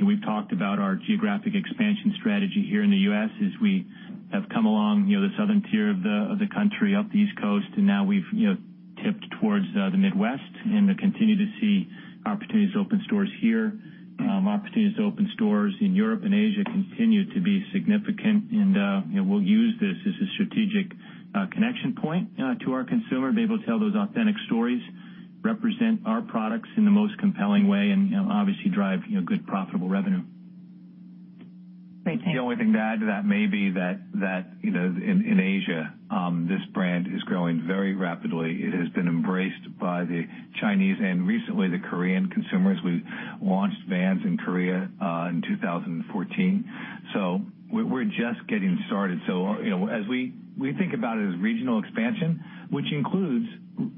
We've talked about our geographic expansion strategy here in the U.S. as we have come along the southern tier of the country, up the East Coast, and now we've tipped towards the Midwest and continue to see opportunities to open stores here. Opportunities to open stores in Europe and Asia continue to be significant and we'll use this as a strategic connection point to our consumer, be able to tell those authentic stories, represent our products in the most compelling way, obviously drive good profitable revenue. Great. Thanks. The only thing to add to that may be that in Asia, this brand is growing very rapidly. It has been embraced by the Chinese and recently the Korean consumers. We launched Vans in Korea in 2014. We're just getting started. We think about it as regional expansion, which includes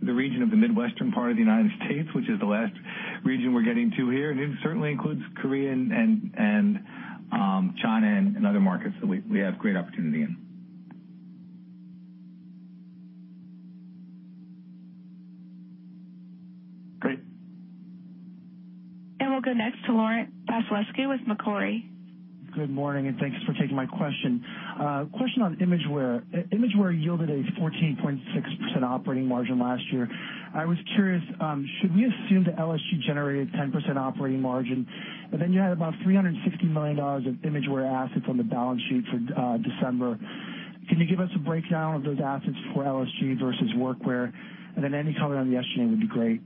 the region of the Midwestern part of the U.S., which is the last region we're getting to here. It certainly includes Korea and China and other markets that we have great opportunity in. Great. We'll go next to Laurent Vasilescu with Macquarie. Good morning. Thanks for taking my question. A question on Imagewear. Imagewear yielded a 14.6% operating margin last year. I was curious, should we assume that LSG generated 10% operating margin? Then you had about $360 million of Imagewear assets on the balance sheet for December. Can you give us a breakdown of those assets for LSG versus Workwear? Then any color on the LSG would be great.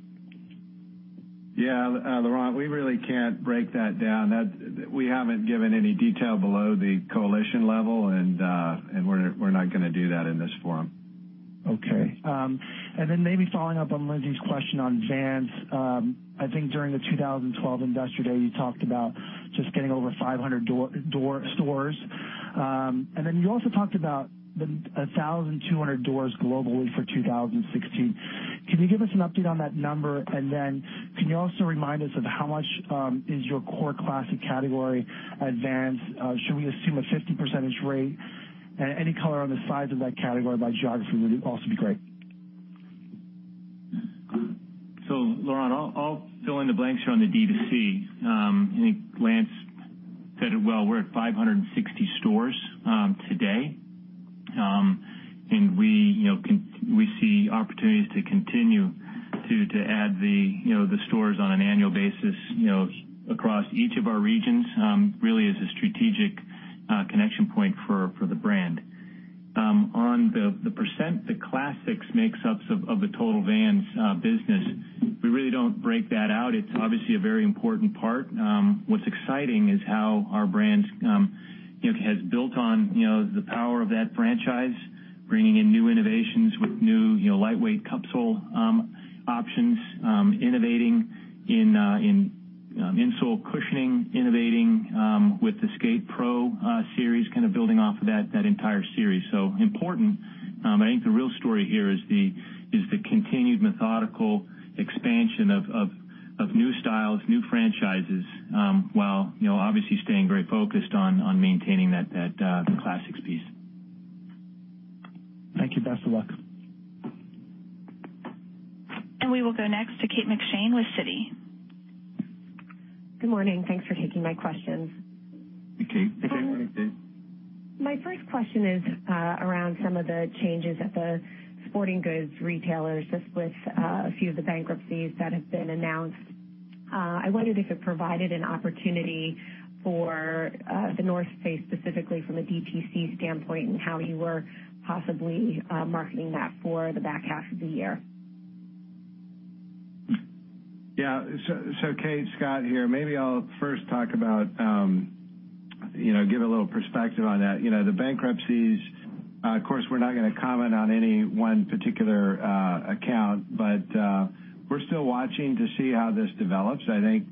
Laurent, we really can't break that down. We haven't given any detail below the coalition level. We're not going to do that in this forum. Okay. Maybe following up on Lindsay's question on Vans. I think during the 2012 Industry Day, you talked about just getting over 500 stores. You also talked about 1,200 doors globally for 2016. Can you give us an update on that number? Can you also remind us of how much is your core classic category at Vans? Should we assume a 50% rate? Any color on the size of that category by geography would also be great. Laurent, I'll fill in the blanks here on the D2C. I think Lance said it well. We're at 560 stores today. We see opportunities to continue to add the stores on an annual basis across each of our regions, really as a strategic connection point for the brand. On the % that classics makes up of the total Vans business, we really don't break that out. It's obviously a very important part. What's exciting is how our brand has built on the power of that franchise, bringing in new innovations with new lightweight cupsole options, innovating in insole cushioning, innovating with the SK8-Pro series, kind of building off of that entire series. Important. I think the real story here is the continued methodical expansion of new styles, new franchises, while obviously staying very focused on maintaining that classics piece. Thank you. Best of luck. We will go next to Kate McShane with Citi. Good morning. Thanks for taking my questions. Hey, Kate. Hi. Good morning, Kate. My first question is around some of the changes at the sporting goods retailers, just with a few of the bankruptcies that have been announced. I wondered if it provided an opportunity for The North Face, specifically from a DTC standpoint, and how you were possibly marketing that for the back half of the year. Yeah. Kate, Scott here. Maybe I'll first talk about giving a little perspective on that. The bankruptcies, of course, we're not going to comment on any one particular account, but we're still watching to see how this develops. I think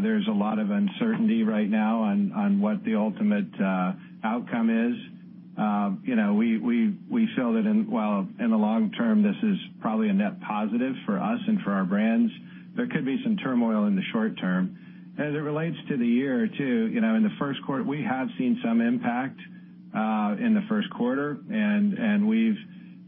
there's a lot of uncertainty right now on what the ultimate outcome is. We feel that while in the long term, this is probably a net positive for us and for our brands, there could be some turmoil in the short term. As it relates to the year, too, in the first quarter, we have seen some impact in the first quarter, and we've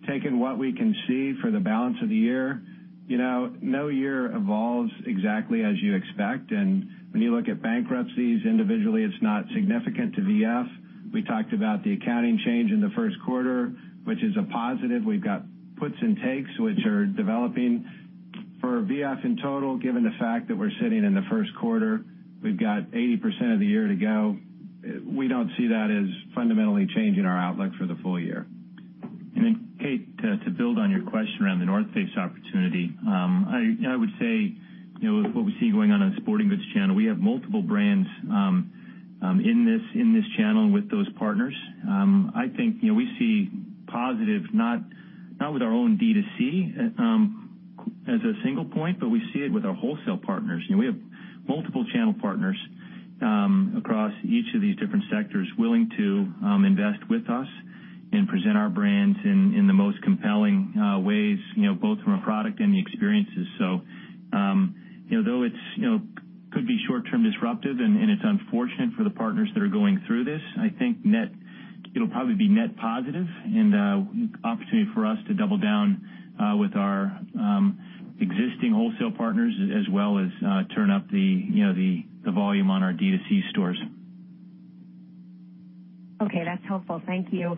taken what we can see for the balance of the year. No year evolves exactly as you expect, and when you look at bankruptcies individually, it's not significant to VF. We talked about the accounting change in the first quarter, which is a positive. We've got puts and takes, which are developing. For VF in total, given the fact that we're sitting in the first quarter, we've got 80% of the year to go. We don't see that as fundamentally changing our outlook for the full year. Kate, to build on your question around The North Face opportunity. I would say, with what we see going on in the sporting goods channel, we have multiple brands in this channel and with those partners. I think we see positive, not with our own D to C as a single point, but we see it with our wholesale partners. We have multiple channel partners across each of these different sectors willing to invest with us and present our brands in the most compelling ways, both from a product and the experiences. Though it could be short term disruptive and it's unfortunate for the partners that are going through this, I think it'll probably be net positive and an opportunity for us to double down with our existing wholesale partners as well as turn up the volume on our D to C stores. Okay, that's helpful. Thank you.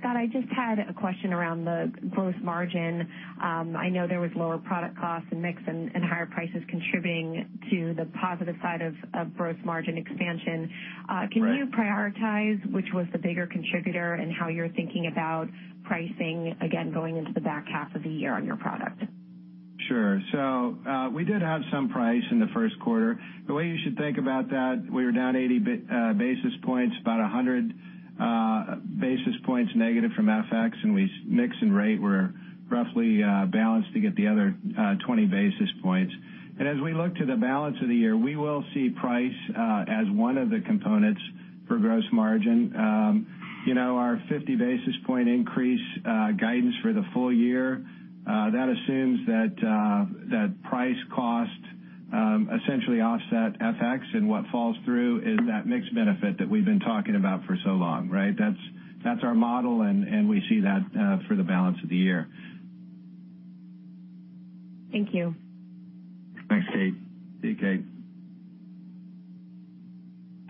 Scott, I just had a question around the gross margin. I know there was lower product costs and mix and higher prices contributing to the positive side of gross margin expansion. Correct. Can you prioritize which was the bigger contributor and how you're thinking about pricing again going into the back half of the year on your product? Sure. We did have some price in the first quarter. The way you should think about that, we were down 80 basis points, about 100 basis points negative from FX, and mix and rate were roughly balanced to get the other 20 basis points. As we look to the balance of the year, we will see price as one of the components for gross margin. Our 50 basis point increase guidance for the full year, that assumes that price cost essentially offset FX and what falls through is that mix benefit that we've been talking about for so long, right? That's our model, and we see that for the balance of the year. Thank you. Thanks, Kate. See you, Kate.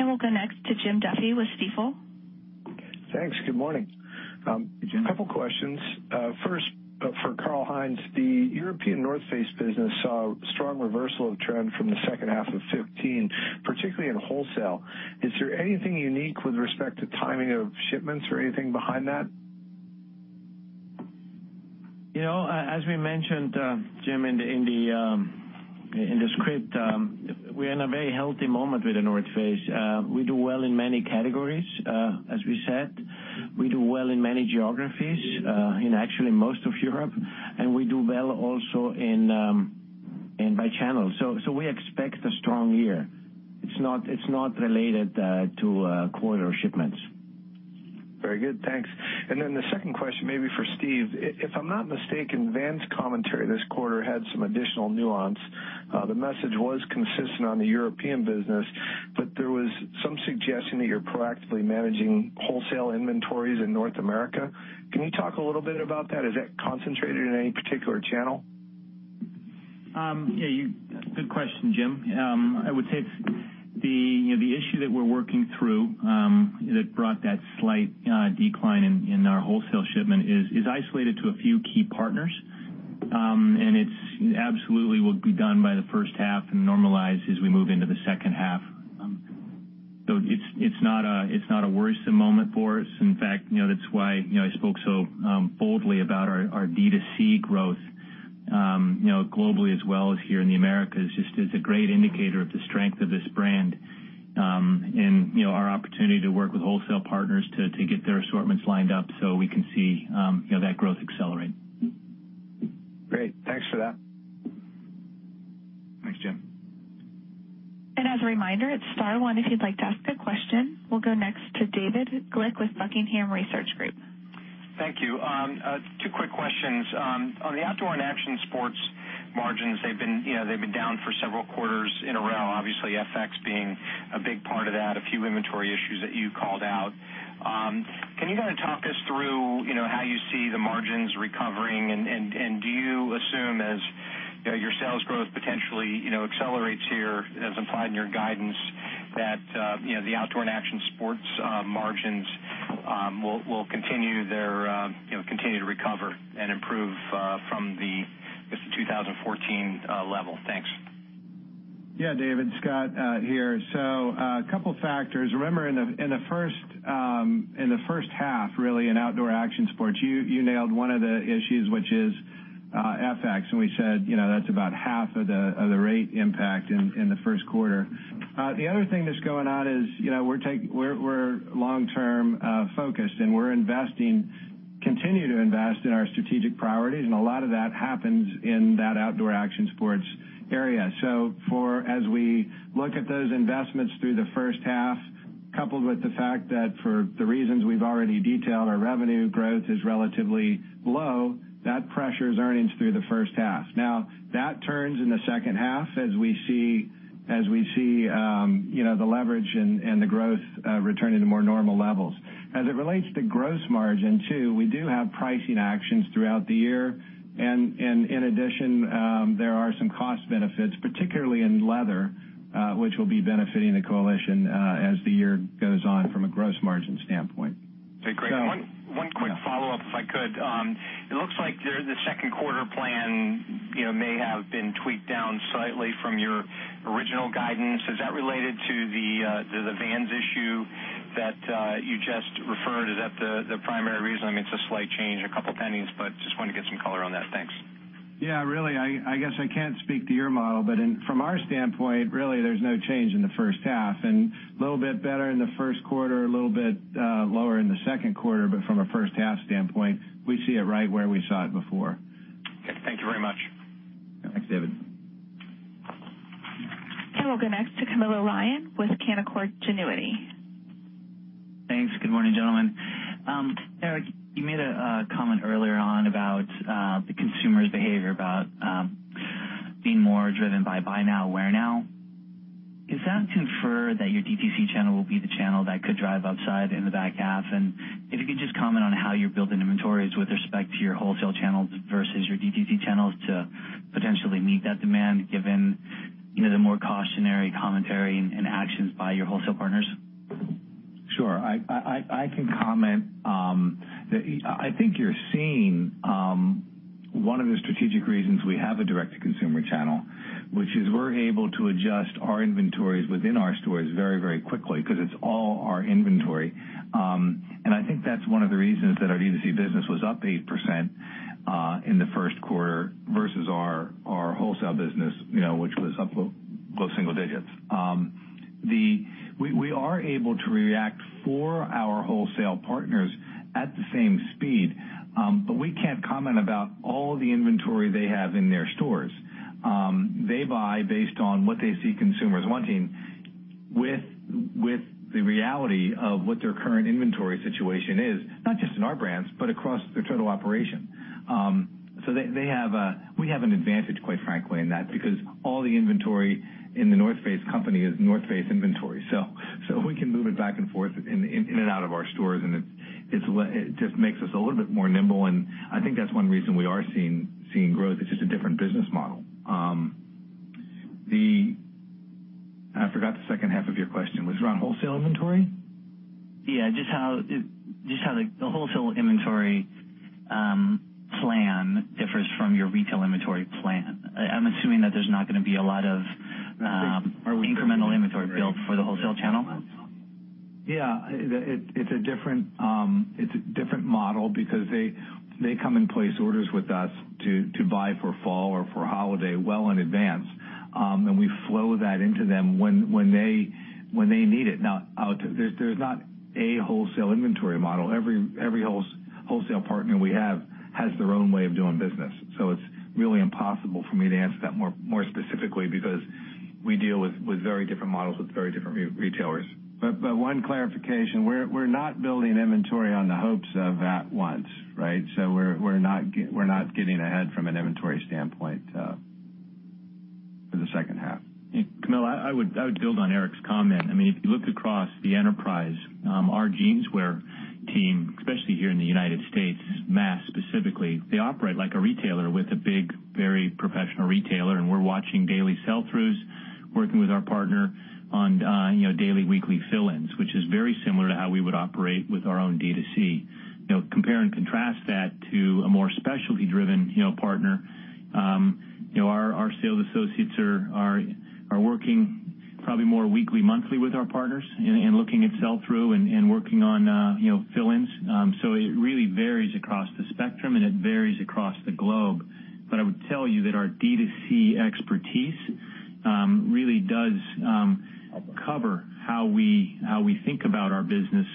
We'll go next to Jim Duffy with Stifel. Thanks. Good morning. Hey, Jim. A couple questions. First, for Karl-Heinz, the European North Face business saw a strong reversal of trend from the second half of 2015, particularly in wholesale. Is there anything unique with respect to timing of shipments or anything behind that? As we mentioned, Jim, in the script, we are in a very healthy moment with The North Face. We do well in many categories, as we said. We do well in many geographies, in actually most of Europe. We do well also by channel. We expect a strong year. It's not related to quarter shipments. Very good. Thanks. The second question, maybe for Steve. If I'm not mistaken, Vans commentary this quarter had some additional nuance. The message was consistent on the European business. There was some suggestion that you're proactively managing wholesale inventories in North America. Can you talk a little bit about that? Is that concentrated in any particular channel? Yeah. Good question, Jim. I would say the issue that we're working through that brought that slight decline in our wholesale shipment is isolated to a few key partners. It absolutely will be done by the first half and normalize as we move into the second half. It's not a worrisome moment for us. In fact, that's why I spoke so boldly about our D2C growth globally as well as here in the Americas. It's a great indicator of the strength of this brand and our opportunity to work with wholesale partners to get their assortments lined up so we can see that growth accelerate. Great. Thanks for that. Thanks, Jim. As a reminder, it's star one if you'd like to ask a question. We'll go next to David Glick with Buckingham Research Group. Thank you. Two quick questions. On the Outdoor and Action Sports margins. They've been down for several quarters in a row, obviously FX being a big part of that, a few inventory issues that you called out. Can you kind of talk us through how you see the margins recovering, and do you assume, as your sales growth potentially accelerates here, as implied in your guidance, that the Outdoor and Action Sports margins will continue to recover and improve from the 2014 level? Thanks. Yeah, David, Scott here. A couple factors. Remember in the first half, really, in Outdoor and Action Sports, you nailed one of the issues, which is FX. We said that's about half of the rate impact in the first quarter. The other thing that's going on is we're long-term focused, and we're investing, continue to invest in our strategic priorities, and a lot of that happens in that Outdoor and Action Sports area. As we look at those investments through the first half, coupled with the fact that for the reasons we've already detailed, our revenue growth is relatively low, that pressures earnings through the first half. Now that turns in the second half as we see the leverage and the growth returning to more normal levels. As it relates to gross margin too, we do have pricing actions throughout the year, and in addition there are some cost benefits, particularly in leather which will be benefiting the coalition as the year goes on from a gross margin standpoint. Okay, great. One quick follow-up if I could. It looks like the second quarter plan may have been tweaked down slightly from your original guidance. Is that related to the Vans issue that you just referred? Is that the primary reason? I mean, it's a slight change, a couple pennies, but just wanted to get some color on that. Thanks. Yeah, really, I guess I can't speak to your model, but from our standpoint, really, there's no change in the first half and a little bit better in the first quarter, a little bit lower in the second quarter. From a first half standpoint, we see it right where we saw it before. Okay. Thank you very much. Thanks, David. We'll go next to Camilo Lyon with Canaccord Genuity. Thanks. Good morning, gentlemen. Eric, you made a comment earlier on about the consumer's behavior about being more driven by buy now, wear now. Does that infer that your DTC channel will be the channel that could drive upside in the back half? If you could just comment on how you're building inventories with respect to your wholesale channels versus your DTC channels to potentially meet that demand, given the more cautionary commentary and actions by your wholesale partners. Sure. I can comment. I think you're seeing one of the strategic reasons we have a direct-to-consumer channel, which is we're able to adjust our inventories within our stores very quickly because it's all our inventory. I think that's one of the reasons that our DTC business was up 8% in the first quarter versus our wholesale business which was up low single digits. We are able to react for our wholesale partners at the same speed. We can't comment about all the inventory they have in their stores. They buy based on what they see consumers wanting with the reality of what their current inventory situation is, not just in our brands, but across their total operation. We have an advantage, quite frankly, in that because all the inventory in The North Face company is The North Face inventory. We can move it back and forth in and out of our stores, it just makes us a little bit more nimble, I think that's one reason we are seeing growth. It's just a different business model. I forgot the second half of your question. Was it around wholesale inventory? Yeah. Just how the wholesale inventory plan differs from your retail inventory plan. I'm assuming that there's not going to be a lot of incremental inventory built for the wholesale channel. It's a different model because they come and place orders with us to buy for fall or for holiday well in advance. We flow that into them when they need it. There's not a wholesale inventory model. Every wholesale partner we have has their own way of doing business. It's really impossible for me to answer that more specifically because we deal with very different models with very different retailers. One clarification. We're not building inventory on the hopes of at once, right? We're not getting ahead from an inventory standpoint for the second half. Camilo, I would build on Eric's comment. If you look across the enterprise, our jeanswear team, especially here in the U.S., mass specifically, they operate like a retailer with a big, very professional retailer. We're watching daily sell-throughs, working with our partner on daily, weekly fill-ins, which is very similar to how we would operate with our own D2C. Compare and contrast that to a more specialty driven partner. Our sales associates are working probably more weekly, monthly with our partners and looking at sell-through and working on fill-ins. It really varies across the spectrum, and it varies across the globe. I would tell you that our D2C expertise really does cover how we think about our business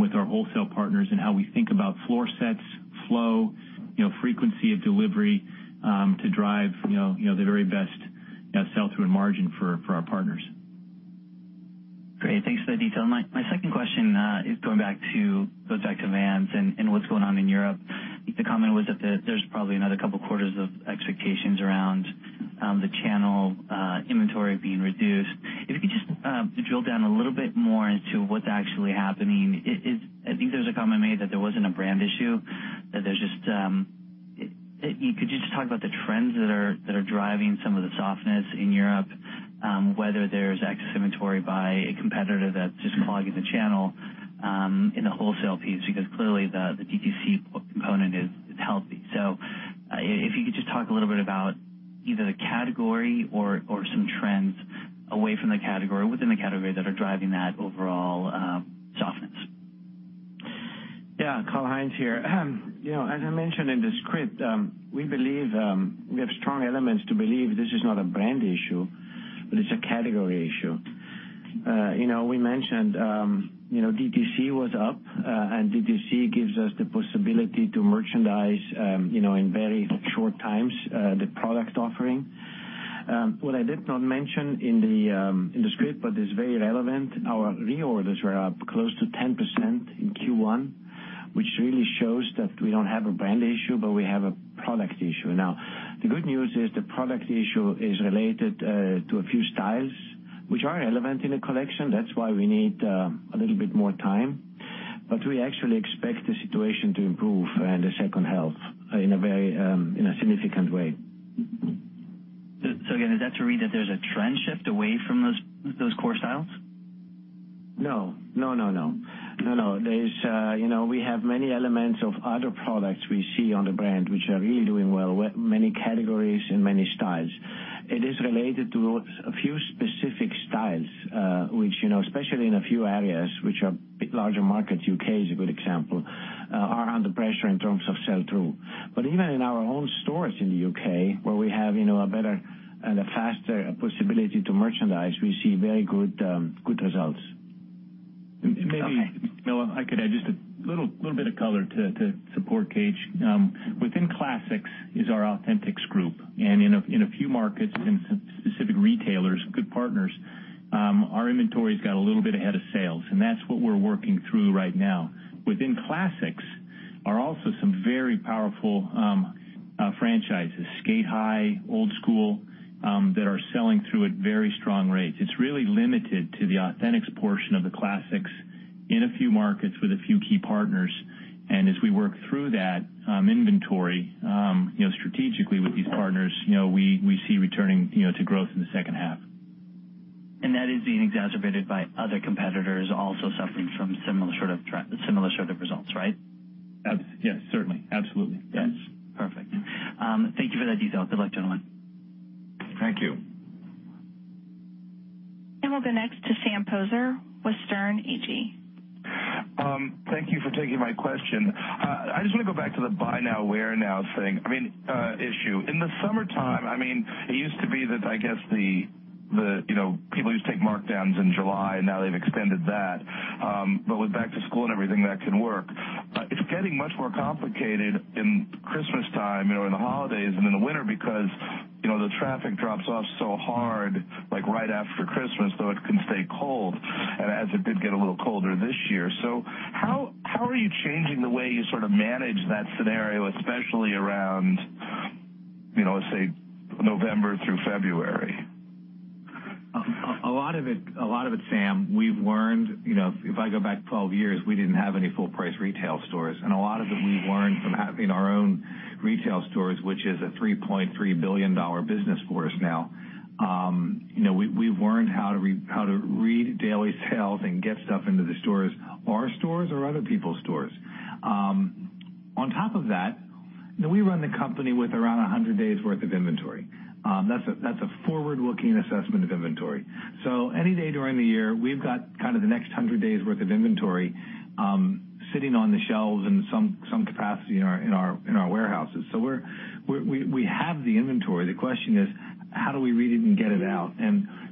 with our wholesale partners and how we think about floor sets, flow, frequency of delivery to drive the very best sell-through and margin for our partners. Great. Thanks for the detail. My second question is going back to Vans and what's going on in Europe. I think the comment was that there's probably another couple of quarters of expectations around the channel inventory being reduced. If you could just drill down a little bit more into what's actually happening. I think there was a comment made that there wasn't a brand issue. Could you just talk about the trends that are driving some of the softness in Europe, whether there's excess inventory by a competitor that's just clogging the channel in the wholesale piece? Because clearly, the DTC component is healthy. If you could just talk a little bit about either the category or some trends away from the category or within the category that are driving that overall softness. Karl-Heinz here. As I mentioned in the script, we have strong elements to believe this is not a brand issue, but it's a category issue. We mentioned DTC was up. DTC gives us the possibility to merchandise in very short times the product offering. What I did not mention in the script, but is very relevant, our reorders were up close to 10% in Q1, which really shows that we don't have a brand issue, but we have a product issue. The good news is the product issue is related to a few styles which are relevant in the collection. That's why we need a little bit more time, but we actually expect the situation to improve in the second half in a significant way. Again, is that to read that there's a trend shift away from those core styles? No. We have many elements of other products we see on the brand, which are really doing well, with many categories and many styles. It is related to a few specific styles, which, especially in a few areas which are a bit larger markets, U.K. is a good example, are under pressure in terms of sell-through. Even in our own stores in the U.K., where we have a better and a faster possibility to merchandise, we see very good results. Okay. Maybe, you know, I could add just a little bit of color to support KH. Within classics is our Authentics group. In a few markets and some specific retailers, good partners, our inventory has got a little bit ahead of sales, and that's what we're working through right now. Within classics are also some very powerful franchises, Sk8-Hi, Old Skool, that are selling through at very strong rates. It's really limited to the Authentics portion of the classics in a few markets with a few key partners. As we work through that inventory, strategically with these partners, we see returning to growth in the second half. That is being exacerbated by other competitors also suffering from similar sort of results, right? Yes, certainly. Absolutely. Yes. Perfect. Thank you for that detail. Good luck, gentlemen. Thank you. We'll go next to Sam Poser with Sterne Agee. Thank you for taking my question. I just want to go back to the buy now, wear now issue. In the summertime, it used to be that, I guess people used to take markdowns in July, and now they've extended that. With back to school and everything, that can work. It's getting much more complicated in Christmas time or in the holidays and in the winter because the traffic drops off so hard, like right after Christmas, though it can stay cold, and as it did get a little colder this year. How are you changing the way you sort of manage that scenario, especially around, let's say, November through February? A lot of it, Sam, we've learned, if I go back 12 years, we didn't have any full-price retail stores. A lot of it we've learned from having our own retail stores, which is a $3.3 billion business for us now. We've learned how to read daily sales and get stuff into the stores, our stores or other people's stores. On top of that, we run the company with around 100 days worth of inventory. That's a forward-looking assessment of inventory. Any day during the year, we've got the next 100 days worth of inventory sitting on the shelves in some capacity in our warehouses. We have the inventory. The question is, how do we read it and get it out?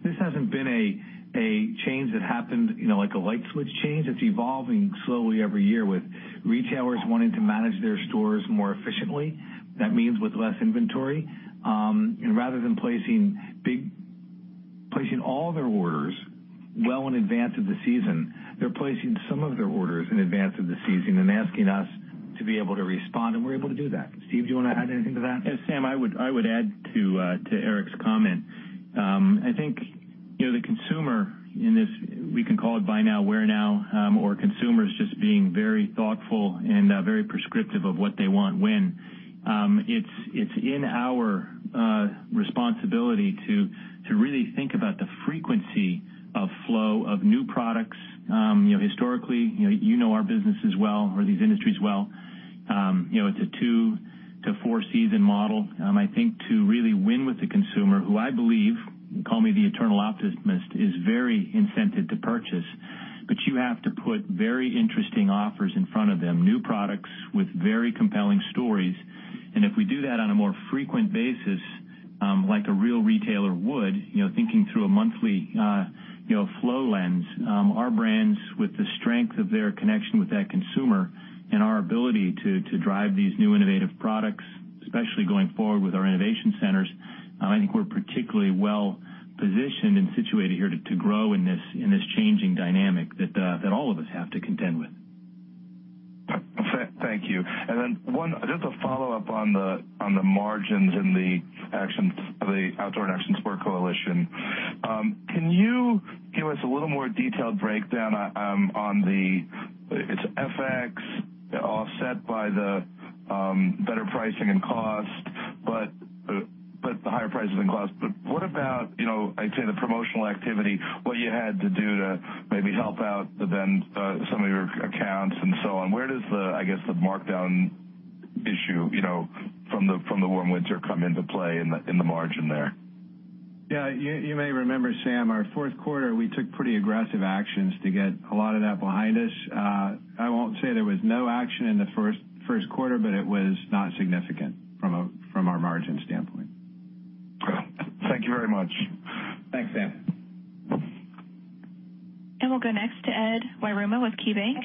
This hasn't been a change that happened like a light switch change. It's evolving slowly every year with retailers wanting to manage their stores more efficiently. That means with less inventory. Rather than placing all their orders well in advance of the season, they're placing some of their orders in advance of the season and asking us to be able to respond, and we're able to do that. Steve, do you want to add anything to that? Yes, Sam, I would add to Eric's comment. I think the consumer in this, we can call it buy now, wear now, or consumers just being very thoughtful and very prescriptive of what they want when. It's in our responsibility to really think about the frequency of flow of new products. Historically, you know our businesses well or these industries well. It's a two to four-season model. I think to really win with the consumer, who I believe, call me the eternal optimist, is very incented to purchase. You have to put very interesting offers in front of them, new products with very compelling stories. If we do that on a more frequent basis, like a real retailer would, thinking through a monthly flow lens, our brands with the strength of their connection with that consumer and our ability to drive these new innovative products Especially going forward with our innovation centers. I think we're particularly well-positioned and situated here to grow in this changing dynamic that all of us have to contend with. Thank you. Just a follow-up on the margins and the Outdoor and Action Sport Coalition. Can you give us a little more detailed breakdown on the-- It's FX offset by the better pricing and cost, the higher prices and costs. What about, I'd say the promotional activity, what you had to do to maybe help out some of your accounts and so on. Where does the markdown issue from the warm winter come into play in the margin there? You may remember, Sam, our fourth quarter, we took pretty aggressive actions to get a lot of that behind us. I won't say there was no action in the first quarter, it was not significant from our margin standpoint. Thank you very much. Thanks, Sam. We'll go next to Edward Yruma with KeyBanc.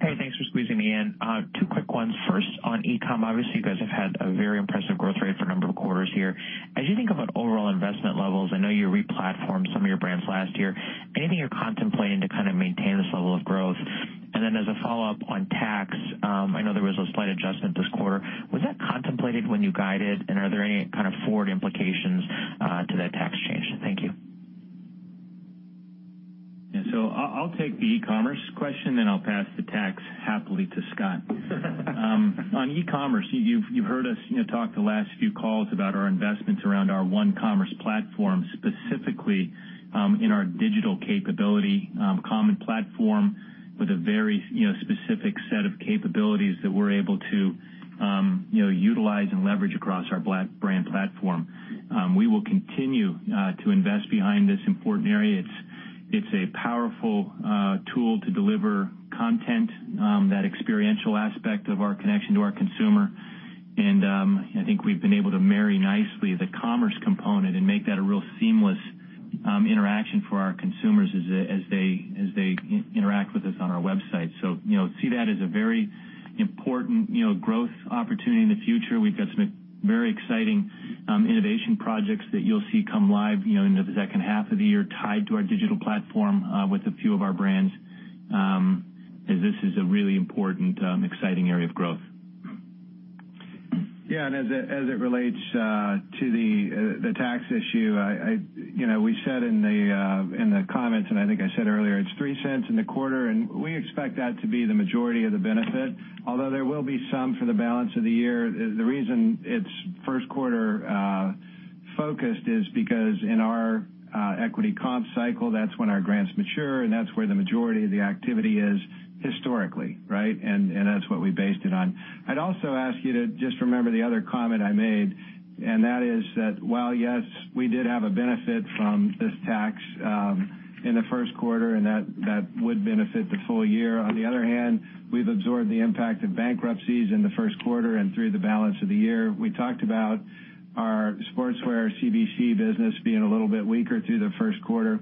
Hey, thanks for squeezing me in. Two quick ones. First, on e-com. Obviously, you guys have had a very impressive growth rate for a number of quarters here. As you think about overall investment levels, I know you re-platformed some of your brands last year, anything you're contemplating to maintain this level of growth? Then as a follow-up on tax, I know there was a slight adjustment this quarter. Was that contemplated when you guided, and are there any kind of forward implications to that tax change? Thank you. Yeah. I'll take the e-commerce question, then I'll pass the tax happily to Scott Roe. On e-commerce, you've heard us talk the last few calls about our investments around our One Commerce Platform, specifically in our digital capability. A common platform with a very specific set of capabilities that we're able to utilize and leverage across our brand platform. We will continue to invest behind this important area. It's a powerful tool to deliver content, that experiential aspect of our connection to our consumer. I think we've been able to marry nicely the commerce component and make that a real seamless interaction for our consumers as they interact with us on our website. See that as a very important growth opportunity in the future. We've got some very exciting innovation projects that you'll see come live in the second half of the year tied to our digital platform with a few of our brands, as this is a really important, exciting area of growth. As it relates to the tax issue, we said in the comments, I think I said earlier, it's $0.03 in the quarter, and we expect that to be the majority of the benefit, although there will be some for the balance of the year. The reason it's first quarter focused is because in our equity comp cycle, that's when our grants mature, and that's where the majority of the activity is historically, right? That's what we based it on. I'd also ask you to just remember the other comment I made, and that is that while, yes, we did have a benefit from this tax in the first quarter, and that would benefit the full year. On the other hand, we've absorbed the impact of bankruptcies in the first quarter and through the balance of the year. We talked about our Sportswear CVC business being a little bit weaker through the first quarter.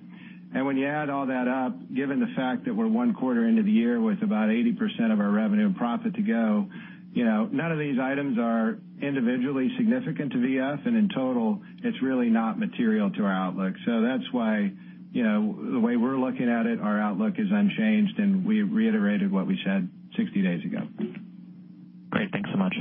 When you add all that up, given the fact that we're one quarter into the year with about 80% of our revenue and profit to go, none of these items are individually significant to VF. In total, it's really not material to our outlook. That's why the way we're looking at it, our outlook is unchanged, and we reiterated what we said 60 days ago. Great. Thanks so much.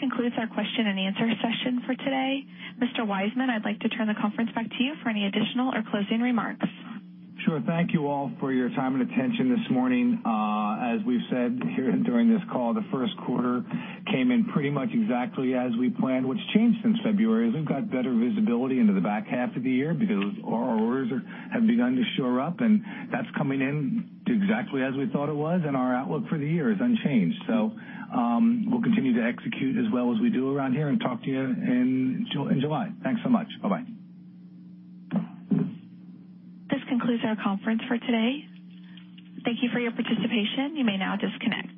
That concludes our question and answer session for today. Mr. Wiseman, I'd like to turn the conference back to you for any additional or closing remarks. Sure. Thank you all for your time and attention this morning. As we've said here during this call, the first quarter came in pretty much exactly as we planned. What's changed since February is we've got better visibility into the back half of the year because our orders have begun to shore up, and that's coming in exactly as we thought it was, and our outlook for the year is unchanged. We'll continue to execute as well as we do around here and talk to you in July. Thanks so much. Bye-bye. This concludes our conference for today. Thank you for your participation. You may now disconnect.